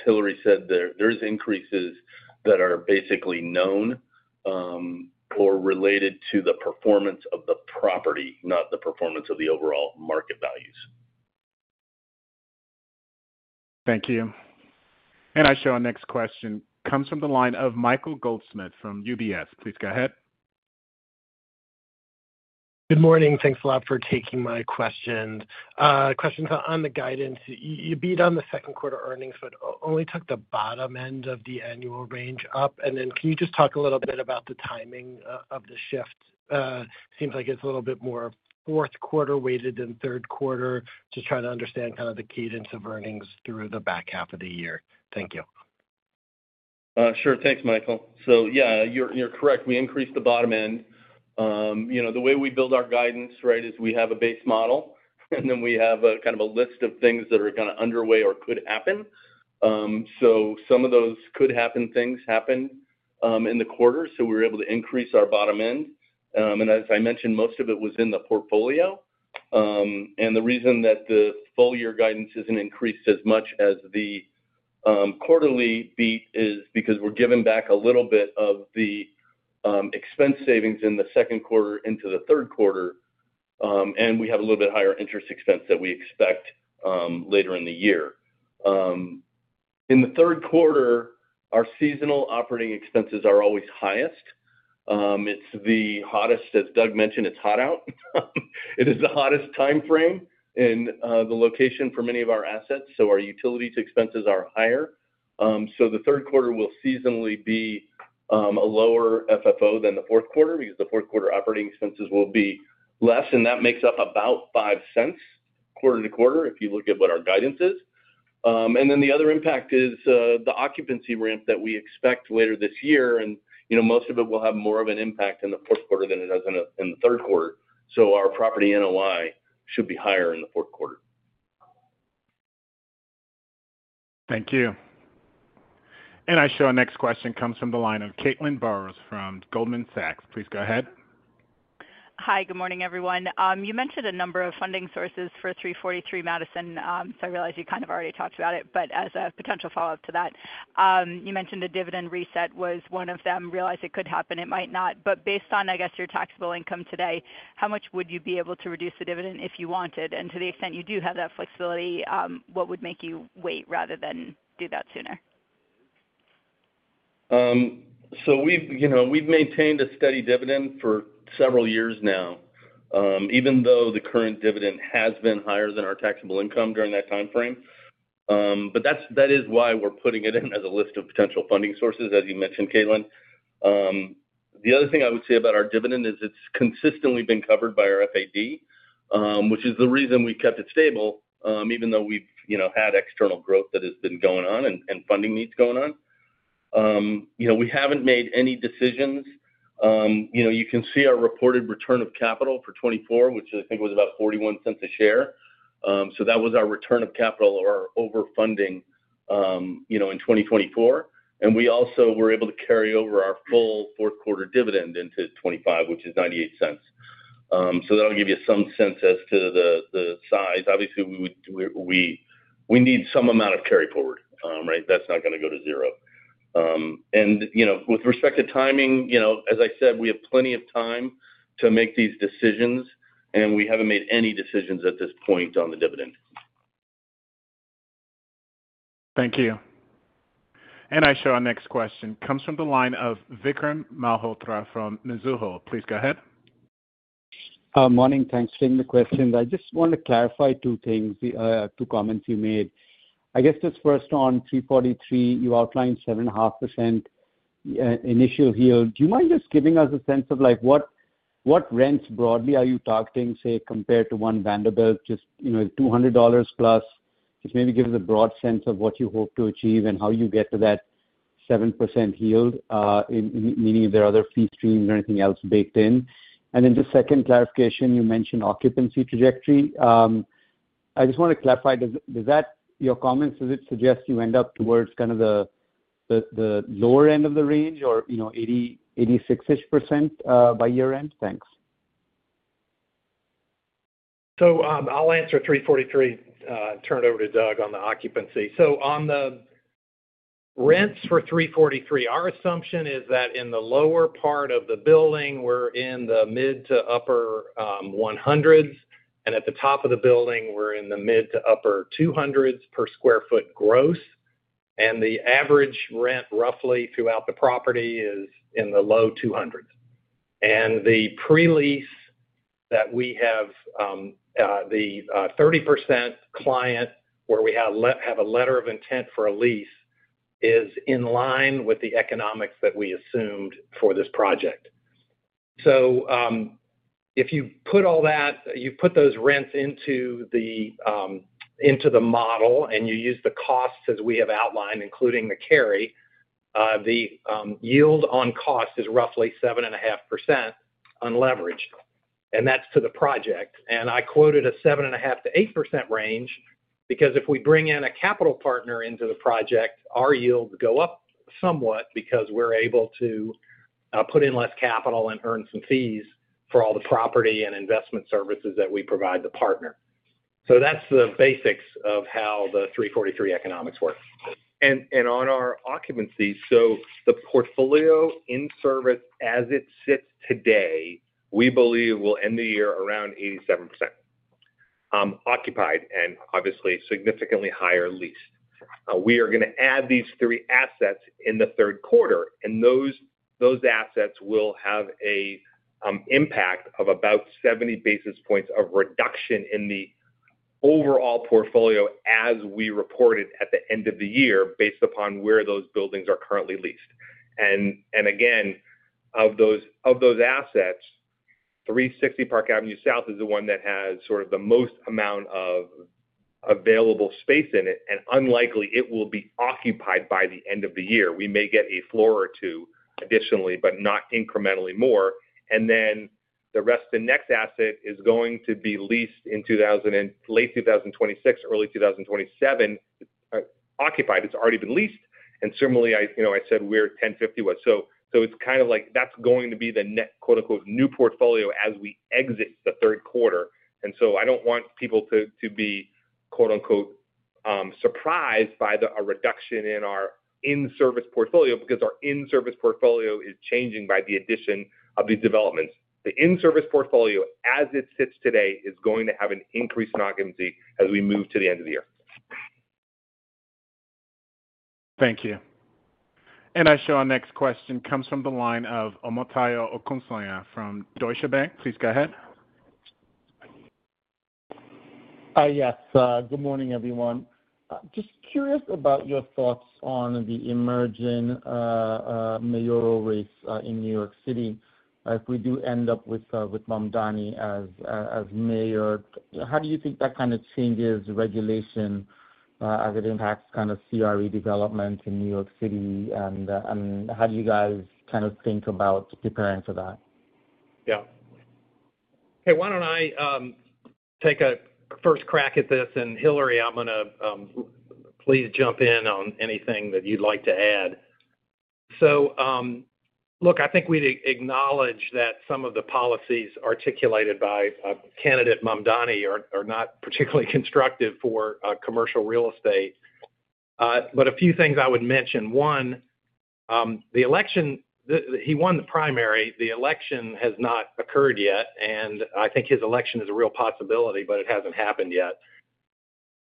Hilary said, there are increases that are basically known or related to the performance of the property, not the performance of the overall market values. Thank you. I show our next question comes from the line of Michael Goldsmith from UBS. Please go ahead. Good morning. Thanks a lot for taking my question. On the guidance, you beat on the second quarter earnings, but only took the bottom end of the annual range up. Can you just talk a little bit about the timing of the shift? Seems like it is a little bit more fourth quarter weighted than third quarter. Just trying to understand kind of the cadence of earnings through the back half of the year. Thank you. Sure. Thanks, Michael. So yeah, you're correct. We increased the bottom end. You know, the way we build our guidance right is we have a base model and then we have kind of a list of things that are kind of underway or could happen. Some of those could happen. Things happen in the quarter. We were able to increase our bottom end. As I mentioned, most of it was in the portfolio. The reason that the full year guidance is not increased as much as the quarterly beat is because we're giving back a little bit of the expense savings in the second quarter into the third quarter and we have a little bit higher interest expense that we expect later in the year. In the third quarter, our seasonal operating expenses are always highest. It's the hottest, as Doug mentioned, it's hot out. It is the hottest time frame in the location for many of our assets. Our utilities expenses are higher. The third quarter will seasonally be a lower FFO than the fourth quarter because the fourth quarter operating expenses will be less. That makes up about $0.05 quarter to quarter if you look at what our guidance is. The other impact is the occupancy ramp that we expect later this year. Most of it will have more of an impact in the fourth quarter than it does in the third quarter. So our property NOI should be higher. In the fourth quarter. Thank you. I show our next question comes from the line of Caitlin Burrows from Goldman Sachs. Please go ahead. Hi. Good morning everyone. You mentioned a number of funding sources for 343 Madison. I realize you kind of already talked about it, but as a potential follow-up to that, you mentioned a dividend reset was one of them. I realize it could happen, it might not. Based on, I guess, your taxable income today, how much would you be able to reduce the dividend if you wanted? To the extent you do have that flexibility, what would make you wait rather than do that sooner? We have maintained a steady dividend for several years now, even though the current dividend has been higher than our taxable income during that time frame. That is why we are putting it in as a list of potential funding sources, as you mentioned, Caitlin. The other thing I would say about our dividend is it has consistently been covered by our FAD, which is the reason we kept it stable. Even though we have had external growth that has been going on and funding needs going on. We have not made any decisions. You can see our reported return of capital for 2024, which I think was about $0.41 a share. That was our return of capital or overfunding in 2024. We also were able to carry over our full fourth quarter dividend into 2025, which is $0.98. That will give you some sense as to the size. Obviously we need some amount of carry forward. Right. That is not going to go to zero. With respect to timing, as I said, we have plenty of time to make these decisions and we have not made any decisions at this point on the dividend. Thank you. I show our next question comes from the line of Vikram Malhotra from Mizuho. Please go ahead. Morning. Thanks for taking the questions. I just want to clarify two comments you made, I guess it's first on 343 you outlined 7.5% initial yield. Do you mind just giving us a sense of like what rents broadly are you targeting say compared to One Vanderbilt just, you know, $200+, just maybe give us a broad sense of what you hope to achieve and how you get to that 7% yield, meaning there are other fee streams or anything else baked in? The second clarification you mentioned, occupancy trajectory, I just want to clarify, does that your comments, does it suggest you end up towards kind of the. Lower end of the range or you. Know, 80% to 86% by year end. Thanks. I'll answer 343. Turn it over to Doug on the occupancy. On the rents for 343, our assumption is that in the lower part of the building we're in the mid to upper one hundreds and at the top of the building we're in the mid to upper two hundreds per square feet gross. The average rent roughly throughout the property is in the low 200. The pre lease that we have, the 30% client, where we have a letter of intent for a lease, is in line with the economics that we assumed for this project. If you put all that, you put those rents into the model and you use the costs as we have outlined, including the carry, the yield on cost is roughly 7.5% unleveraged and that's to the project. I quoted a 7.5%-8% range because if we bring in a capital partner into the project, our yields go up somewhat because we're able to put in less capital and earn some fees for all the property and investment services that we provide the partner. That's the basics of how the 343 economics work. On our occupancy. The portfolio in-service as it sits today we believe will end the year around 87% occupied and obviously significantly higher leased. We are going to add these three assets in the third quarter and those assets will have an impact of about 70 basis points of reduction in the overall portfolio, as we reported at the end of the year, based upon where those buildings are currently leased. Of those assets, 360 Park Avenue South is the one that has sort of the most amount of available space in it and unlikely it will be occupied by the end of the year. We may get a floor or two additionally, but not incrementally more. The Reston Next asset is going to be leased in late 2026, early 2027, occupied. It's already been leased. Similarly, I said where 1050 was. It's kind of like that's going to be the net new portfolio as we exit the third quarter. I don't want people to. Be. Surprised by a reduction in our in-service portfolio because our in-service portfolio is changing by the addition of these developments. The in-service portfolio as it sits today is going to have an increase in occupancy as we move to the end of the year. Thank you. I show our next question comes from the line of Omotayo Okusanya from Deutsche Bank. Please go ahead. Yes, good morning, everyone. Just curious about your thoughts on the emerging mayoral race in New York City. If we do end up with Mamdani as mayor, how do you think that kind of changes regulation as it impacts kind of CRE development in New York City? How do you guys kind of think about preparing for that? Yes. Hey, why don't I take a first crack at this? And Hilary, please jump in on anything that you'd like to add. Look, I think we acknowledge that some of the policies articulated by candidate Mamdani are not particularly constructive for commercial real estate. A few things I would mention: one, the election. He won the primary. The election has not occurred yet. I think his election is a real possibility, but it hasn't happened yet.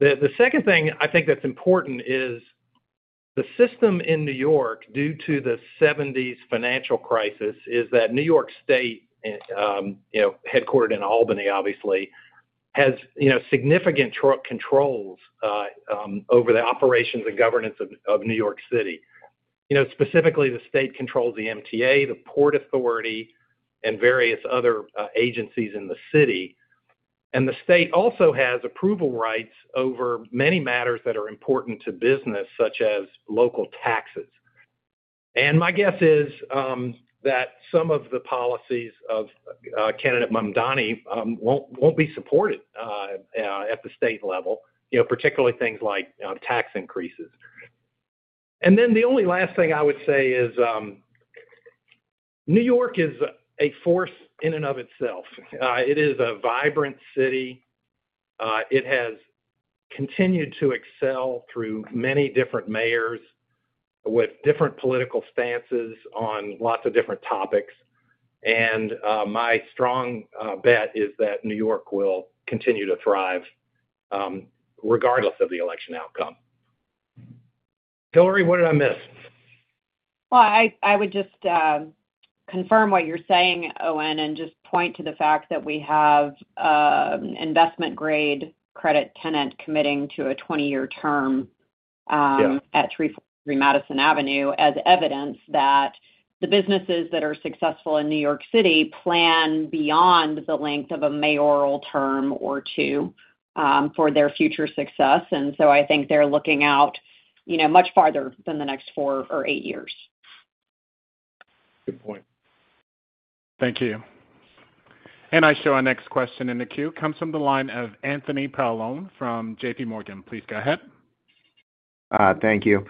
The second thing I think that's important is the system in New York, due to the 1970s financial crisis, is that New York State, headquartered in Albany, obviously has significant controls over the operations and. Governance of New York City. Specifically, the state controls the MTA, the Port Authority and various other agencies in the city. The state also has approval rights over many matters that are important to business, such as local tax. My guess is that some of the policies of candidate Mamdani won't be supported at the state level, particularly things like tax increases. The only last thing I would say is New York is a force in and of itself. It is a vibrant city. It has continued to excel through many different mayors with different political stances on lots of different topics. My strong bet is that New York will continue to thrive regardless of the election outcome. Hilary, what did I miss? I would just confirm what you're saying, Owen, and just point to the fact that we have investment grade credit tenant committing to a 20 year term at 343 Madison Avenue as evidence that the businesses that are successful in New York City plan beyond the length of a mayoral term or two for their future success. I think they're looking out, you know, much farther than the next four or eight years. Good point. Thank you. I show our next question in the queue comes from the line of Anthony Paolone from JPMorgan. Please go ahead. Thank you.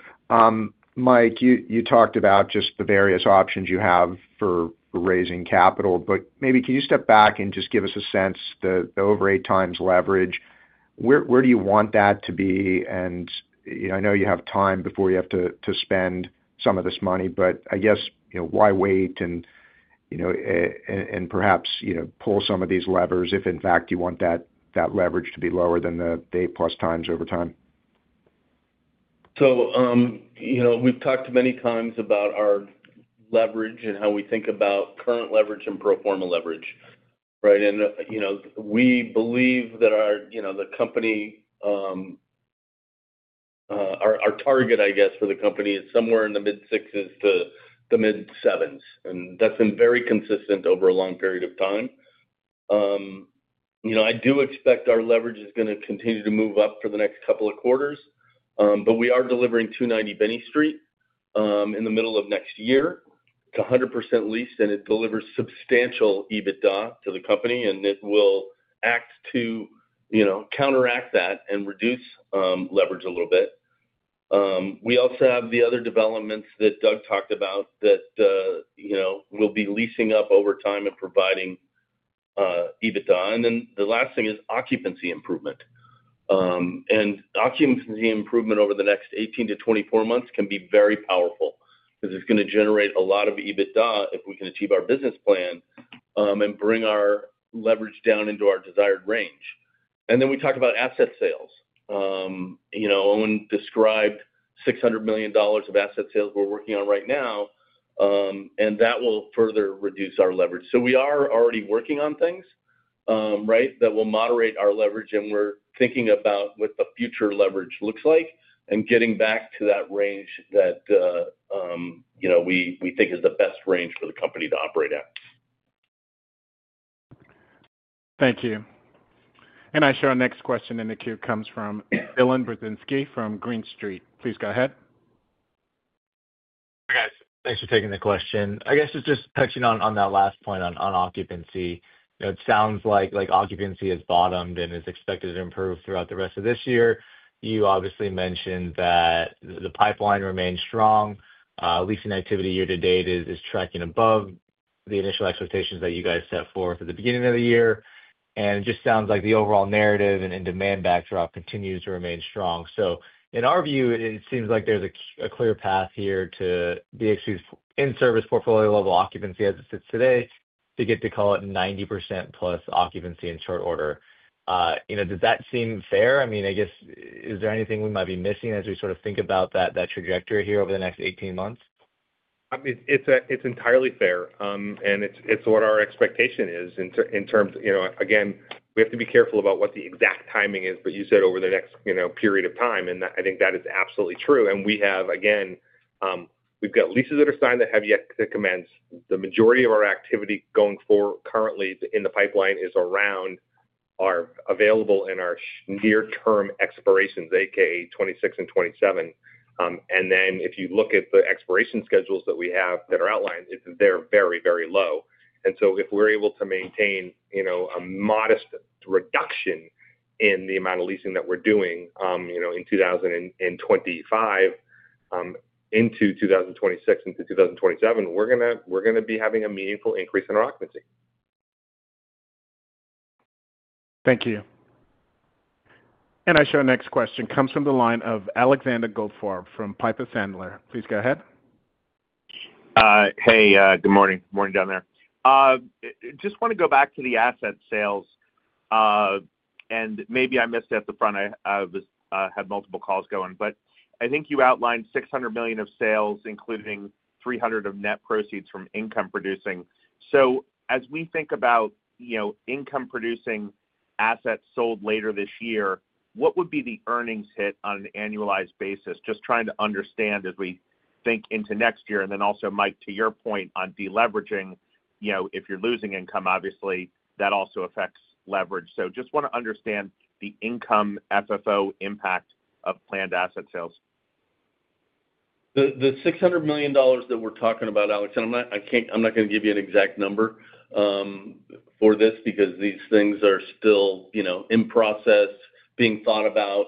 Mike, you talked about just the various options you have for raising capital, but maybe can you step back and just give us a sense, the over eight times leverage? Where do you want that to be? I know you have time before you have to spend some of this money, but I guess why wait and perhaps pull some of these levers if in fact you want that leverage to be lower than the eight plus times over time? You know, we've talked many times about our leverage and how we think about current leverage and pro forma leverage. Right. You know, we believe that our, you know, the company, our target, I guess for the company is somewhere in the mid sixes to the mid sevens and that's been very consistent over a long period of time. I do expect our leverage is going to continue to move up for the next couple of quarters. We are delivering 290 Benny Street in the middle of next year. It's 100% leased and it delivers substantial EBITDA to the company and it will act to counteract that and reduce leverage a little bit. We also have the other developments that Doug talked about that we'll be leasing up over time and providing EBITDA. The last thing is occupancy improvement. Occupancy improvement over the next 18-24 months can be very powerful because it's going to generate a lot of EBITDA if we can achieve our business plan and bring our leverage down into our desired range. We talk about asset sales. Owen described $600 million of asset sales we're working on right now and that will further reduce our leverage. We are already working on things. Right. That will moderate our leverage and we're thinking about what the future leverage looks like and getting back to that range. That. We think is the best range. For the company to operate at. Thank you. I share our next question in the queue comes from Dylan Burzinski from Green Street. Please go ahead. Hi guys. Thanks for taking the question. I guess just touching on that last point on occupancy. It sounds like occupancy has bottomed and is expected to improve throughout the rest of this year. You obviously mentioned that the pipeline remains strong. Leasing activity year to date is tracking above the initial expectations that you guys set forth at the beginning of the year. It just sounds like the overall. Narrative and demand backdrop continues to remain strong. In our view it seems like there's a clear path here to BXP's in-service portfolio level occupancy as it. Sits today to get to call it. 90% plus occupancy in short order. Does that seem fair? I mean, I guess is there anything we might be missing as we sort of think about that trajectory here over the next 18 months? It's entirely fair and it's what our expectation is in terms again, we have to be careful about what the exact timing is. You said over the next period of time and I think that is absolutely true. We have again we've got leases that are signed that have yet to commence. The majority of our activity going forward currently in the pipeline is around our available and our near term expirations, AKA 2026 and 2027. If you look at the expiration schedules that we have that are outlined, they're very low. If we're able to maintain a modest reduction in the amount of leasing that we're doing in 2025 into 2026 into 2027, we're going to be having a meaningful increase in our occupancy. Thank you. I share our next question comes from the line of Alexander Goldfarb from Piper Sandler. Please go ahead. Hey, good morning. Morning down there. Just want to go back to the asset sales and maybe I missed at the front. I had multiple calls going. I think you outlined $600 million of sales including $300 million of net proceeds from income producing. As we think about income producing assets sold later this year, what would be the earnings hit on an annualized basis? Just trying to understand as we think into next year. Also, Mike, to your point on deleveraging, if you're losing income, obviously that also affects leverage. Just want to understand the income FFO impact of planned asset sales. The. $600 million that we're talking about, Alex, I'm not going to give you an exact number for this because these things are still in process being thought about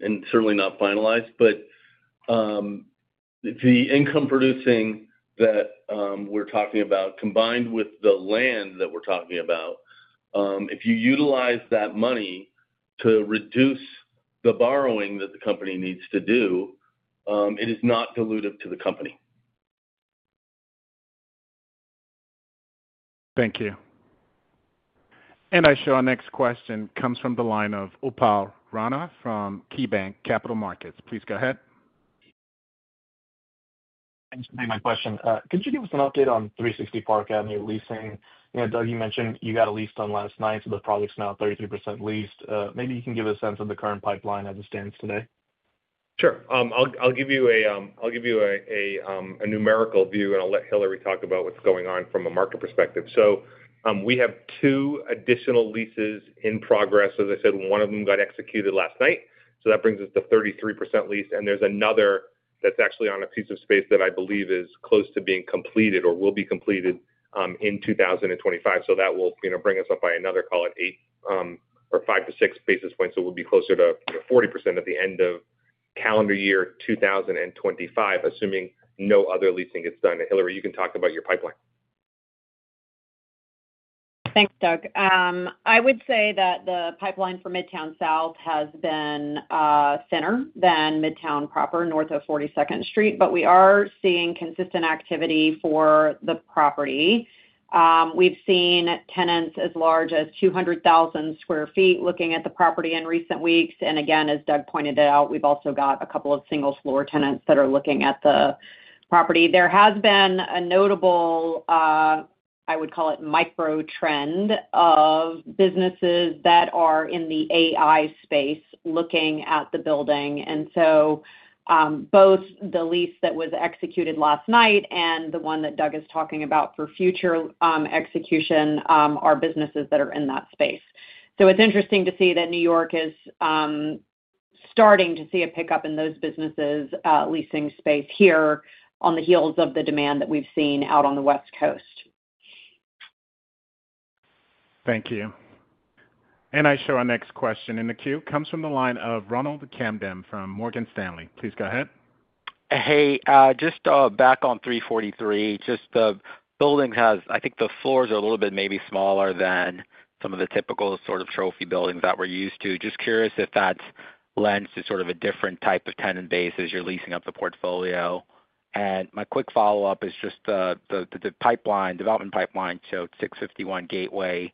and certainly not finalized. But the income producing that we're talking about combined with the land that we're talking about, if you utilize that money to reduce the borrowing that the company needs to do it is not dilutive to the company. Thank you. I show our next question comes from the line of Upal Rana from KeyBanc Capital Markets. Please go ahead. Thanks for taking my question. Could you give us an update on 360 Park Avenue leasing? Doug, you mentioned you got a lease done last night. So the project's now 33% leased. Maybe you can give a sense of the current pipeline as it stands today. Sure. I'll give you a numerical view and I'll let Hilary talk about what's going on from a market perspective. We have two additional leases in progress. As I said, one of them got executed last night. That brings us to 33% leased. There's another that's actually on a piece of space that I believe is close to being completed or will be completed in 2025. That will bring us up by another, call it 8 or 5 to 6 basis points. We'll be closer to 40% at the end of calendar year 2025, assuming no other leasing gets done. Hilary, you can talk about your pipeline. Thanks, Doug. I would say that the pipeline for Midtown South has been thinner than Midtown proper north of 42nd Street, but we are seeing consistent activity for the property. We've seen tenants as large as 200,000 square feet looking at the property in recent weeks. As Doug pointed out, we've also got a couple of single floor tenants that are looking at the property. There has been a notable, I would call it micro trend of businesses that are in the AI space looking at the building. Both the lease that was executed last night and the one that Doug is talking about for future execution are businesses that are in that space. It is interesting to see that New York is starting to see a pickup in those businesses leasing space here on the heels of the demand that we've seen out on the West Coast. Thank you. I show our next question in the queue comes from the line of Ronald Kamdem from Morgan Stanley. Please go ahead. Hey, just back on 343. Just the building has, I think the floors are a little bit maybe smaller. Than some of the typical sort of. Trophy buildings that we're used to. Just curious if that lends to sort of a different type of tenant base as you're leasing up the portfolio. My quick follow up is just the development pipeline showed 651 Gateway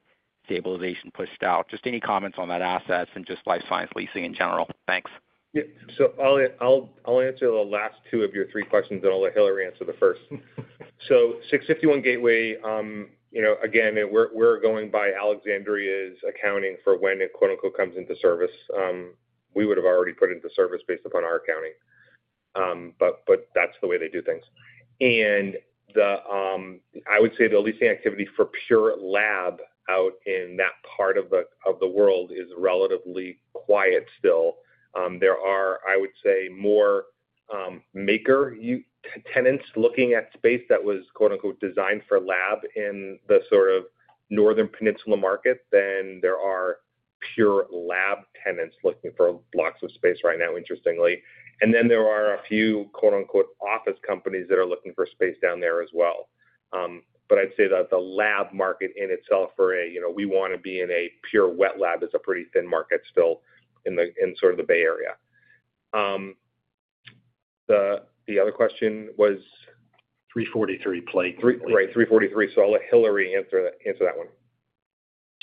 stabilization pushed out. Just any comments on that assets and just life science leasing in general. Thanks. I'll answer the last two of your three questions and I'll let Hilary answer the first. 651 Gateway, you know, again we're going by Alexandria's accounting for when it quote unquote comes into service. We would have already put into service based upon our accounting, but that's the way they do things. I would say the leasing activity for pure lab out in that part of the world is relatively quiet still. There are, I would say, more maker tenants looking at space that was "designed for lab" in the sort of northern Peninsula market than there are pure lab tenants looking for blocks of space right now, interestingly. There are a few "office companies" that are looking for space down there as well. I'd say that the lab market in itself for a, you know, we want to be in a pure wet lab is a pretty thin market still in the, in sort of the Bay Area. The other question was 343 plate, right? 343. I'll let Hilary answer that one.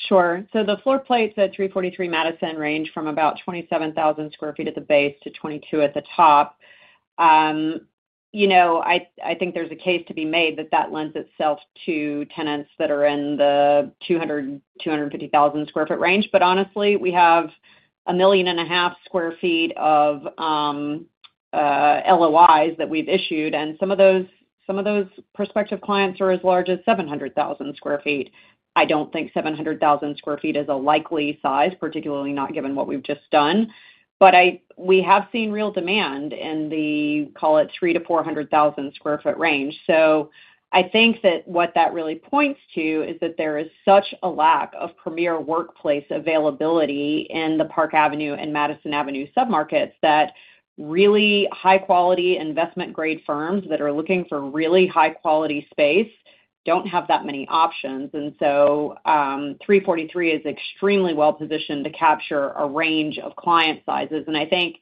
Sure. The floor plates at 343 Madison range from about 27,000 square feet at the base to 22,000 at the top. You know, I think there's a case to be made that that lends itself to tenants that are in the 200,000-250,000 square feet range. But honestly, we have 1,500,000 square feet of LOIs that we've issued and some of those prospective clients are as large as 700,000 square feet. I don't think 700,000 square feet is a likely size, particularly not given what we've just done. We have seen real demand in the, call it, 300,000-400,000 square feet range. I think that what that really points to is that there is such a lack of premier workplaces availability in the Park Avenue and Madison Avenue submarkets that really high quality investment grade firms that are looking for really high quality space do not have that many options. 343 is extremely well positioned to capture a range of client sizes. I think,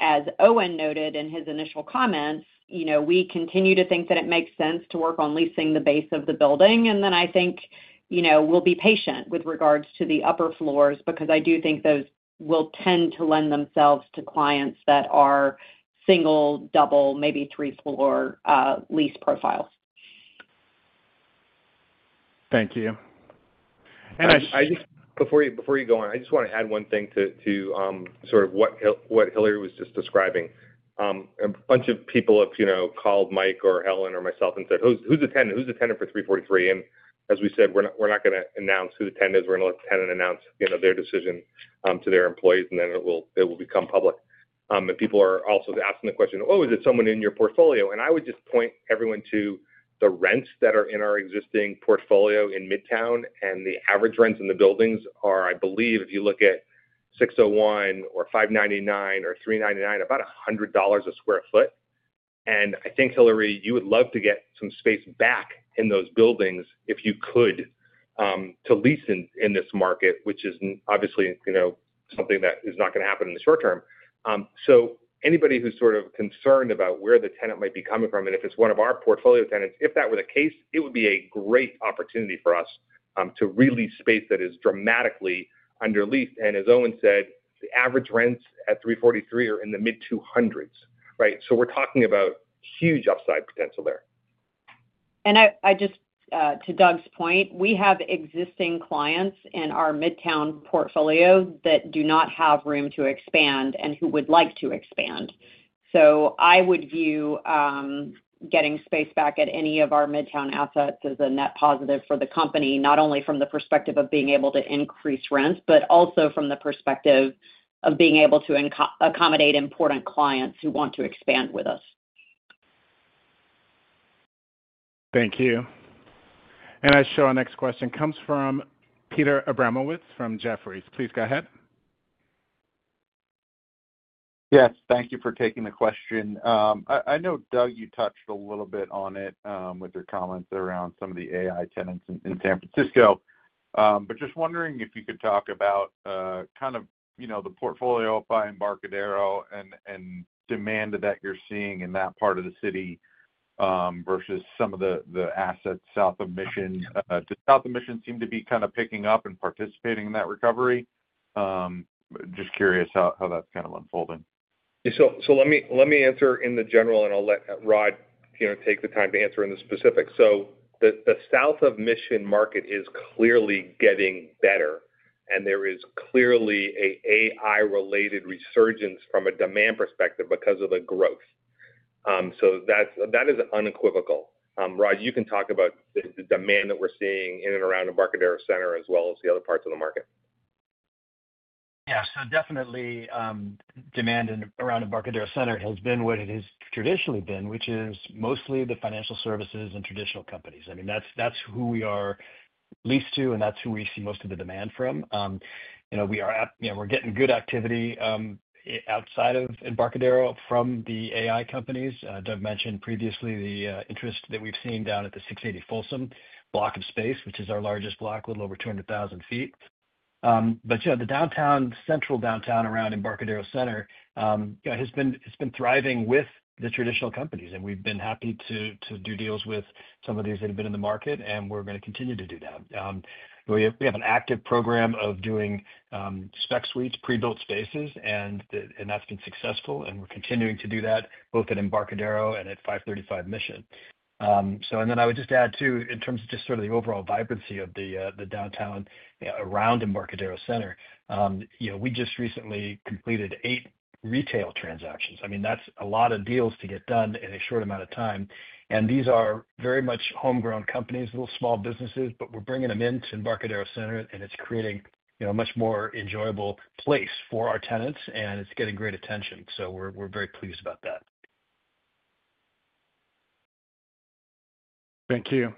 as Owen noted in his initial comments, you know, we continue to think that it makes sense to work on leasing the base of the building. I think, you know, we'll be patient with regards to the upper floors, because I do think those will tend to lend themselves to clients that are single, double, maybe three floor lease profiles. Thank you. Before you go on, I just want to add one thing to sort of what Hilary was just describing. A bunch of people have called Mike or Helen or myself and said, who's the tenant? Who's the tenant for 343? As we said, we're not going to announce who the tenant is. We're going to let the tenant announce their decision to their employees, and then it will become public. People are also asking the question, oh, is it someone in your portfolio? I would just point everyone to the rents that are in our existing portfolio in Midtown. The average rents in the buildings are, I believe, if you look at 601 or 599 or 399, about $100 a square feet. I think, Hilary, you would love to get some space back in those buildings if you could, to lease in this market, which is obviously something that is not going to happen in the short term. Anybody who's sort of concerned about where the tenant might be coming from and if it's one of our portfolio tenants, if that were the case, it would be a great opportunity for us to release space that is dramatically under leased. As Owen said, the average rents at 343 are in the mid-200s. So we're talking about huge upside potential there. To Doug's point, we have existing clients in our Midtown portfolio that do not have room to expand and who would like to expand. I would view getting space back at any of our Midtown assets as a net positive for the company, not only from the perspective of being able to increase rents, but also from the perspective of being able to accommodate important clients who want to expand with us. Thank you. I show our next question comes from Peter Abramowitz from Jefferies. Please go ahead. Yes, thank you for taking the question. I know, Doug, you touched a little bit on it with your comments around some of the AI tenants in San Francisco, but just wondering if you could talk about kind of, you know, the portfolio by Embarcadero and demand that you're seeing in that part of the city versus some of the assets south of Mission. South of Mission seem to be kind of picking up and participating in that recovery. Just curious how that's kind of unfolding. Let me answer in the general and I'll let Rod take the time to answer in the specifics. The south of Mission market is clearly getting better and there is clearly a AI related resurgence from a demand perspective because of the growth. That is unequivocal. Rod, you can talk about the demand that we're seeing in and around Embarcadero Center as well as the other parts of the market. Yeah. So definitely demand around Embarcadero Center has been what it has traditionally been, which is mostly the financial services and traditional companies. I mean, that's who we are leased to and that's who we see most of the demand from. We're getting good activity outside of Embarcadero from the AI companies Doug mentioned previously. The interest that we've seen down at the 680 Folsom block of space, which is our largest block, a little over 200,000 square feet. You know, the central downtown around Embarcadero Center has been thriving with the traditional companies and we've been happy to do deals with some of these that have been in the market. We're going to continue to do that. We have an active program of doing spec suites, prebuilt spaces, and that's been successful and we're continuing to do that both at Embarcadero and at 535 Mission. I would just add too, in terms of just sort of the overall vibrancy of the downtown around Embarcadero Center, we just recently completed eight retail transactions. I mean, that's a lot of deals to get done in a short amount of time. These are very much homegrown companies, little small businesses. We're bringing them in to Embarcadero Center and it's creating a much more enjoyable place for our tenants and it's getting great attention. We're very pleased about that. Thank you.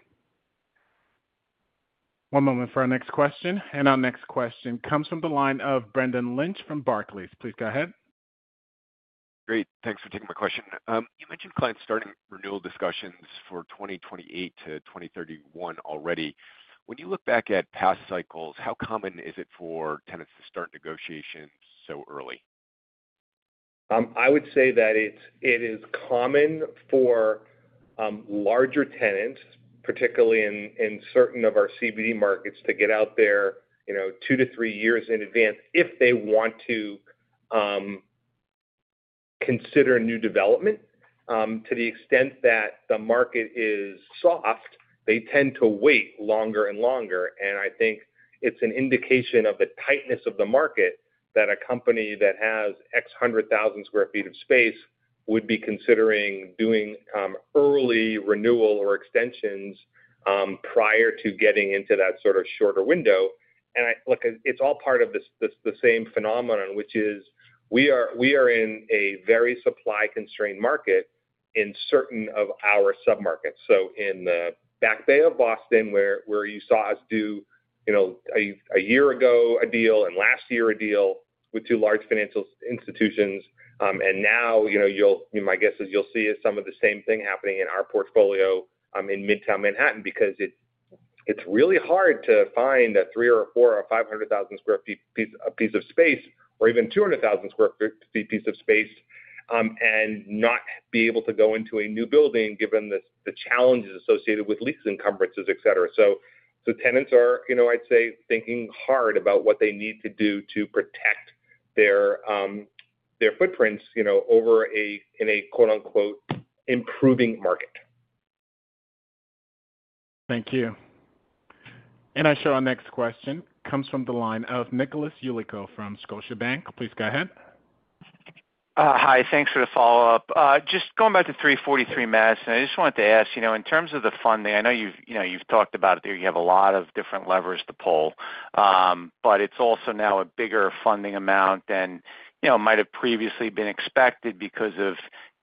One moment for our next question. Our next question comes from the line of Brendan Lynch from Barclays. Please go ahead. Great. Thanks for taking my question. You mentioned clients starting renewal discussions for 2028 to 2031 one already. When you look back at past cycles, how common is it for tenants to start negotiations so early? I would say that it is common for larger tenants, particularly in certain of our CBD markets, to get out there two to three years in advance if they want to consider new development. To the extent that the market is soft, they tend to wait longer and longer. I think it's an indication of the tightness of the market that a company that has X hundred thousand square feet of space would be considering doing early renewal or extensions prior to getting into that shorter window. It's all part of the same phenomenon, which is we are in a very supply constrained market in certain of our sub markets. In the Back Bay of Boston, where you saw us do a year ago a deal and last year a deal with two large financial institutions, now my guess is you'll see some of the same thing happening in our portfolio in Midtown Manhattan because it's really hard to find a 300,000 or 400,000 or 500,000 square feet piece of space or even 200,000 square feet piece of space and not be able to go into a new building given the challenges associated with lease encumbrances, etc. Tenants are, you know, I'd say thinking hard about what they need to do to protect their footprints, you know, over a, in a "improving market". Thank you. I show our next question comes from the line of Nicholas Yulico from Scotiabank. Please go ahead. Hi, thanks for the follow up. Just going back to 343 Madison. I just wanted to ask, in terms of the funding, I know you've talked about, you have a lot of different levers to pull, but it's also now a bigger funding amount than might have previously been expected because of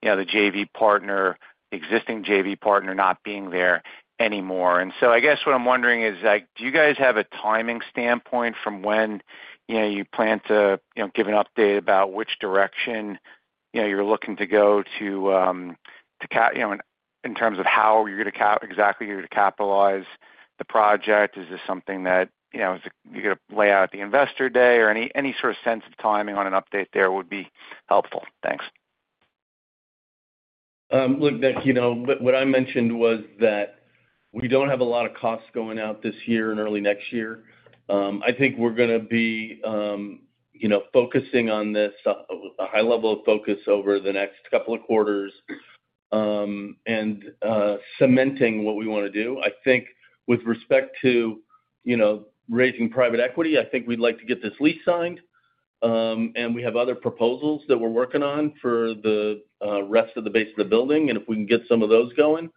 the existing JV partner not being there anymore. I guess what I'm wondering is, do you guys have a timing standpoint from when you plan to give an update about which direction you're looking to go in terms of how exactly you're going to capitalize the project? Is this something that you're going to lay out at the investor day or any sort of sense of timing on an update there would be helpful? Thanks. Look, Nick, you know what I mentioned was that we do not have a lot of costs going out this year and early next year. I think we are going to be focusing on this, a high level of focus over the next couple of quarters and cementing what we want to do. I think with respect to raising private equity, I think we would like to get this lease signed and we have other proposals that we are working on for the rest of the base of the building. If we can get some of those going,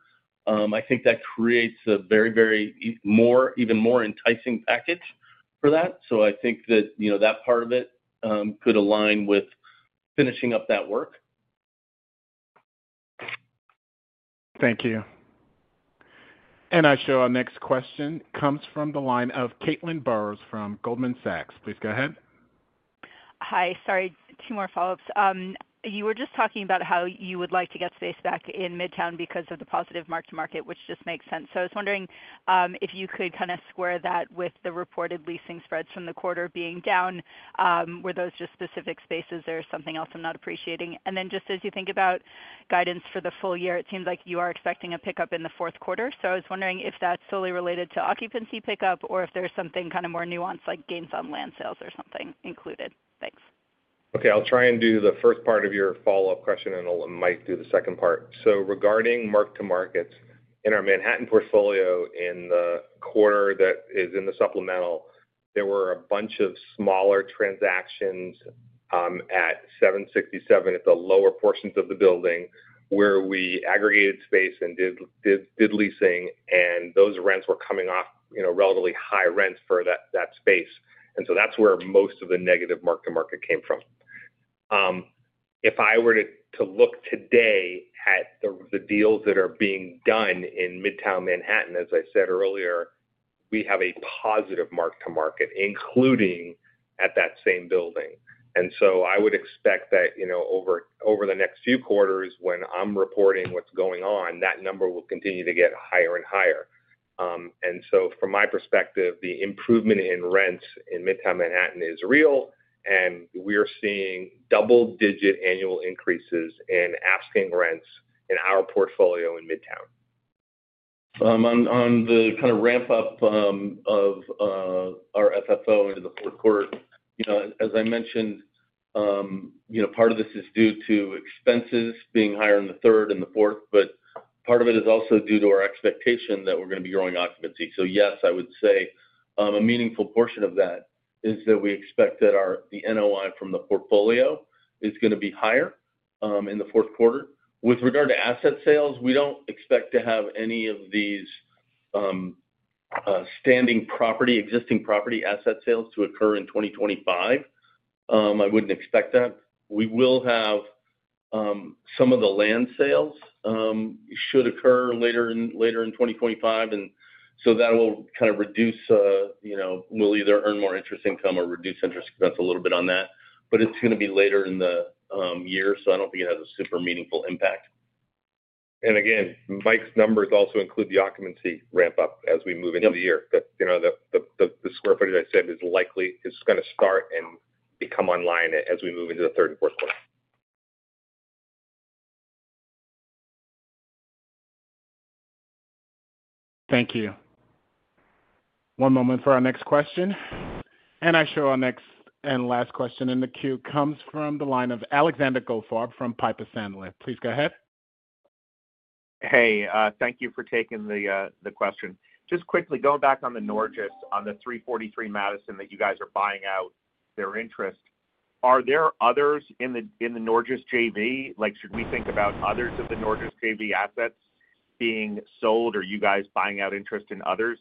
I think that creates a very more, even more enticing package for that. I think that that part of it could align with finishing up that work. Thank you. I show our next question comes from the line of Caitlin Burrows from Goldman Sachs. Please go ahead. Hi, sorry, two more follow ups. You were just talking about how you would like to get space back in Midtown because of the positive mark to market, which just makes sense. I was wondering if you could kind of square that with the reported leasing spreads from the quarter being down. Were those just specific spaces or something else I'm not appreciating? As you think about guidance for the full year, it seems like you are expecting a pickup in the fourth quarter. I was wondering if that is solely related to occupancy pickup or if there's something kind of more nuanced like gains on land sales or something included. Thanks. Okay, I'll try and do the first part of your follow up question and I'll let Mike do the second part. Regarding mark to markets in our Manhattan portfolio in the quarter, that is in the supplemental, there were a bunch of smaller transactions at 767 at the lower portions of the building where we aggregated space and did leasing. Those rents were coming off relatively high rents for that space. That's where most of the negative mark to market came from. If I were to look today at the deals that are being done in Midtown Manhattan, as I said earlier, we have a positive mark to market, including at that same building. I would expect that over the next few quarters when I'm reporting what's going on, that number will continue to get higher and higher. From my perspective, the improvement in rents in Midtown Manhattan is real. We are seeing double digit annual increases in asking rents in our portfolio. In Midtown On the kind of ramp up of our FFO into the fourth quarter, as I mentioned, part of this is due to expenses being higher in the third and the fourth, but part of it is also due to our expectation that we're going to be growing occupancy. Yes, I would say a meaningful portion of that is that we expect that the NOI from the portfolio is going to be higher in the fourth quarter. With regard to asset sales, we don't expect to have any of these standing property, existing property asset sales to occur in 2025. I wouldn't expect that we will have some of the land sales should occur later in, later in 2025. That will kind of reduce, you know, we'll either earn more interest income or reduce interest expense a little bit on that. It's going to be later in the year so I don't think it has a super meaningful impact. Mike's numbers also include the occupancy ramp up as we move into the year. The square footage I said is likely. It's going to start and become online as we move into the third and fourth quarter. Thank you. One moment for our next question. I show our next and last question in the queue comes from the line of Alexander Goldfarb from Piper Sandler. Please go ahead. Hey, thank you for taking the question. Just quickly going back on the Norges on the 343 Madison that you guys are buying out their interest. Are there others in the Norges JV, like should we think about others of the Norges JV assets being sold? Are you guys buying out interest in others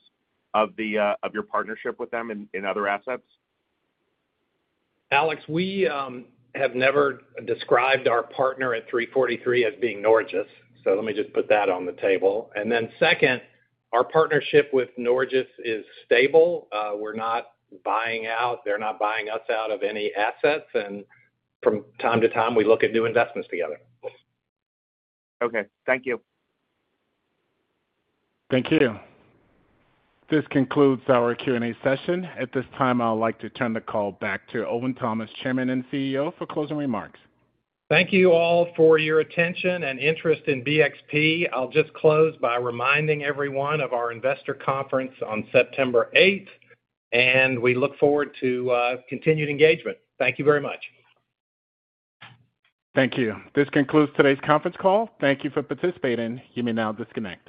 of your partnership with them in other assets? Alex, we have never described our partner at 343 as being Norges. Let me just put that on the table. Our partnership with Norges is stable. We're not buying out, they're not buying us out of any assets. From time to time we look. At new investments together. Okay. Thank you. Thank you. This concludes our Q&A session. At this time I'd like to turn the call back to Owen Thomas, Chairman and CEO, for closing remarks. Thank you all for your attention and interest in BXP. I'll just close by reminding everyone of our investor conference on September 8th and we look forward to continued engagement. Thank you very much. Thank you. This concludes today's conference call. Thank you for participating. You may now disconnect.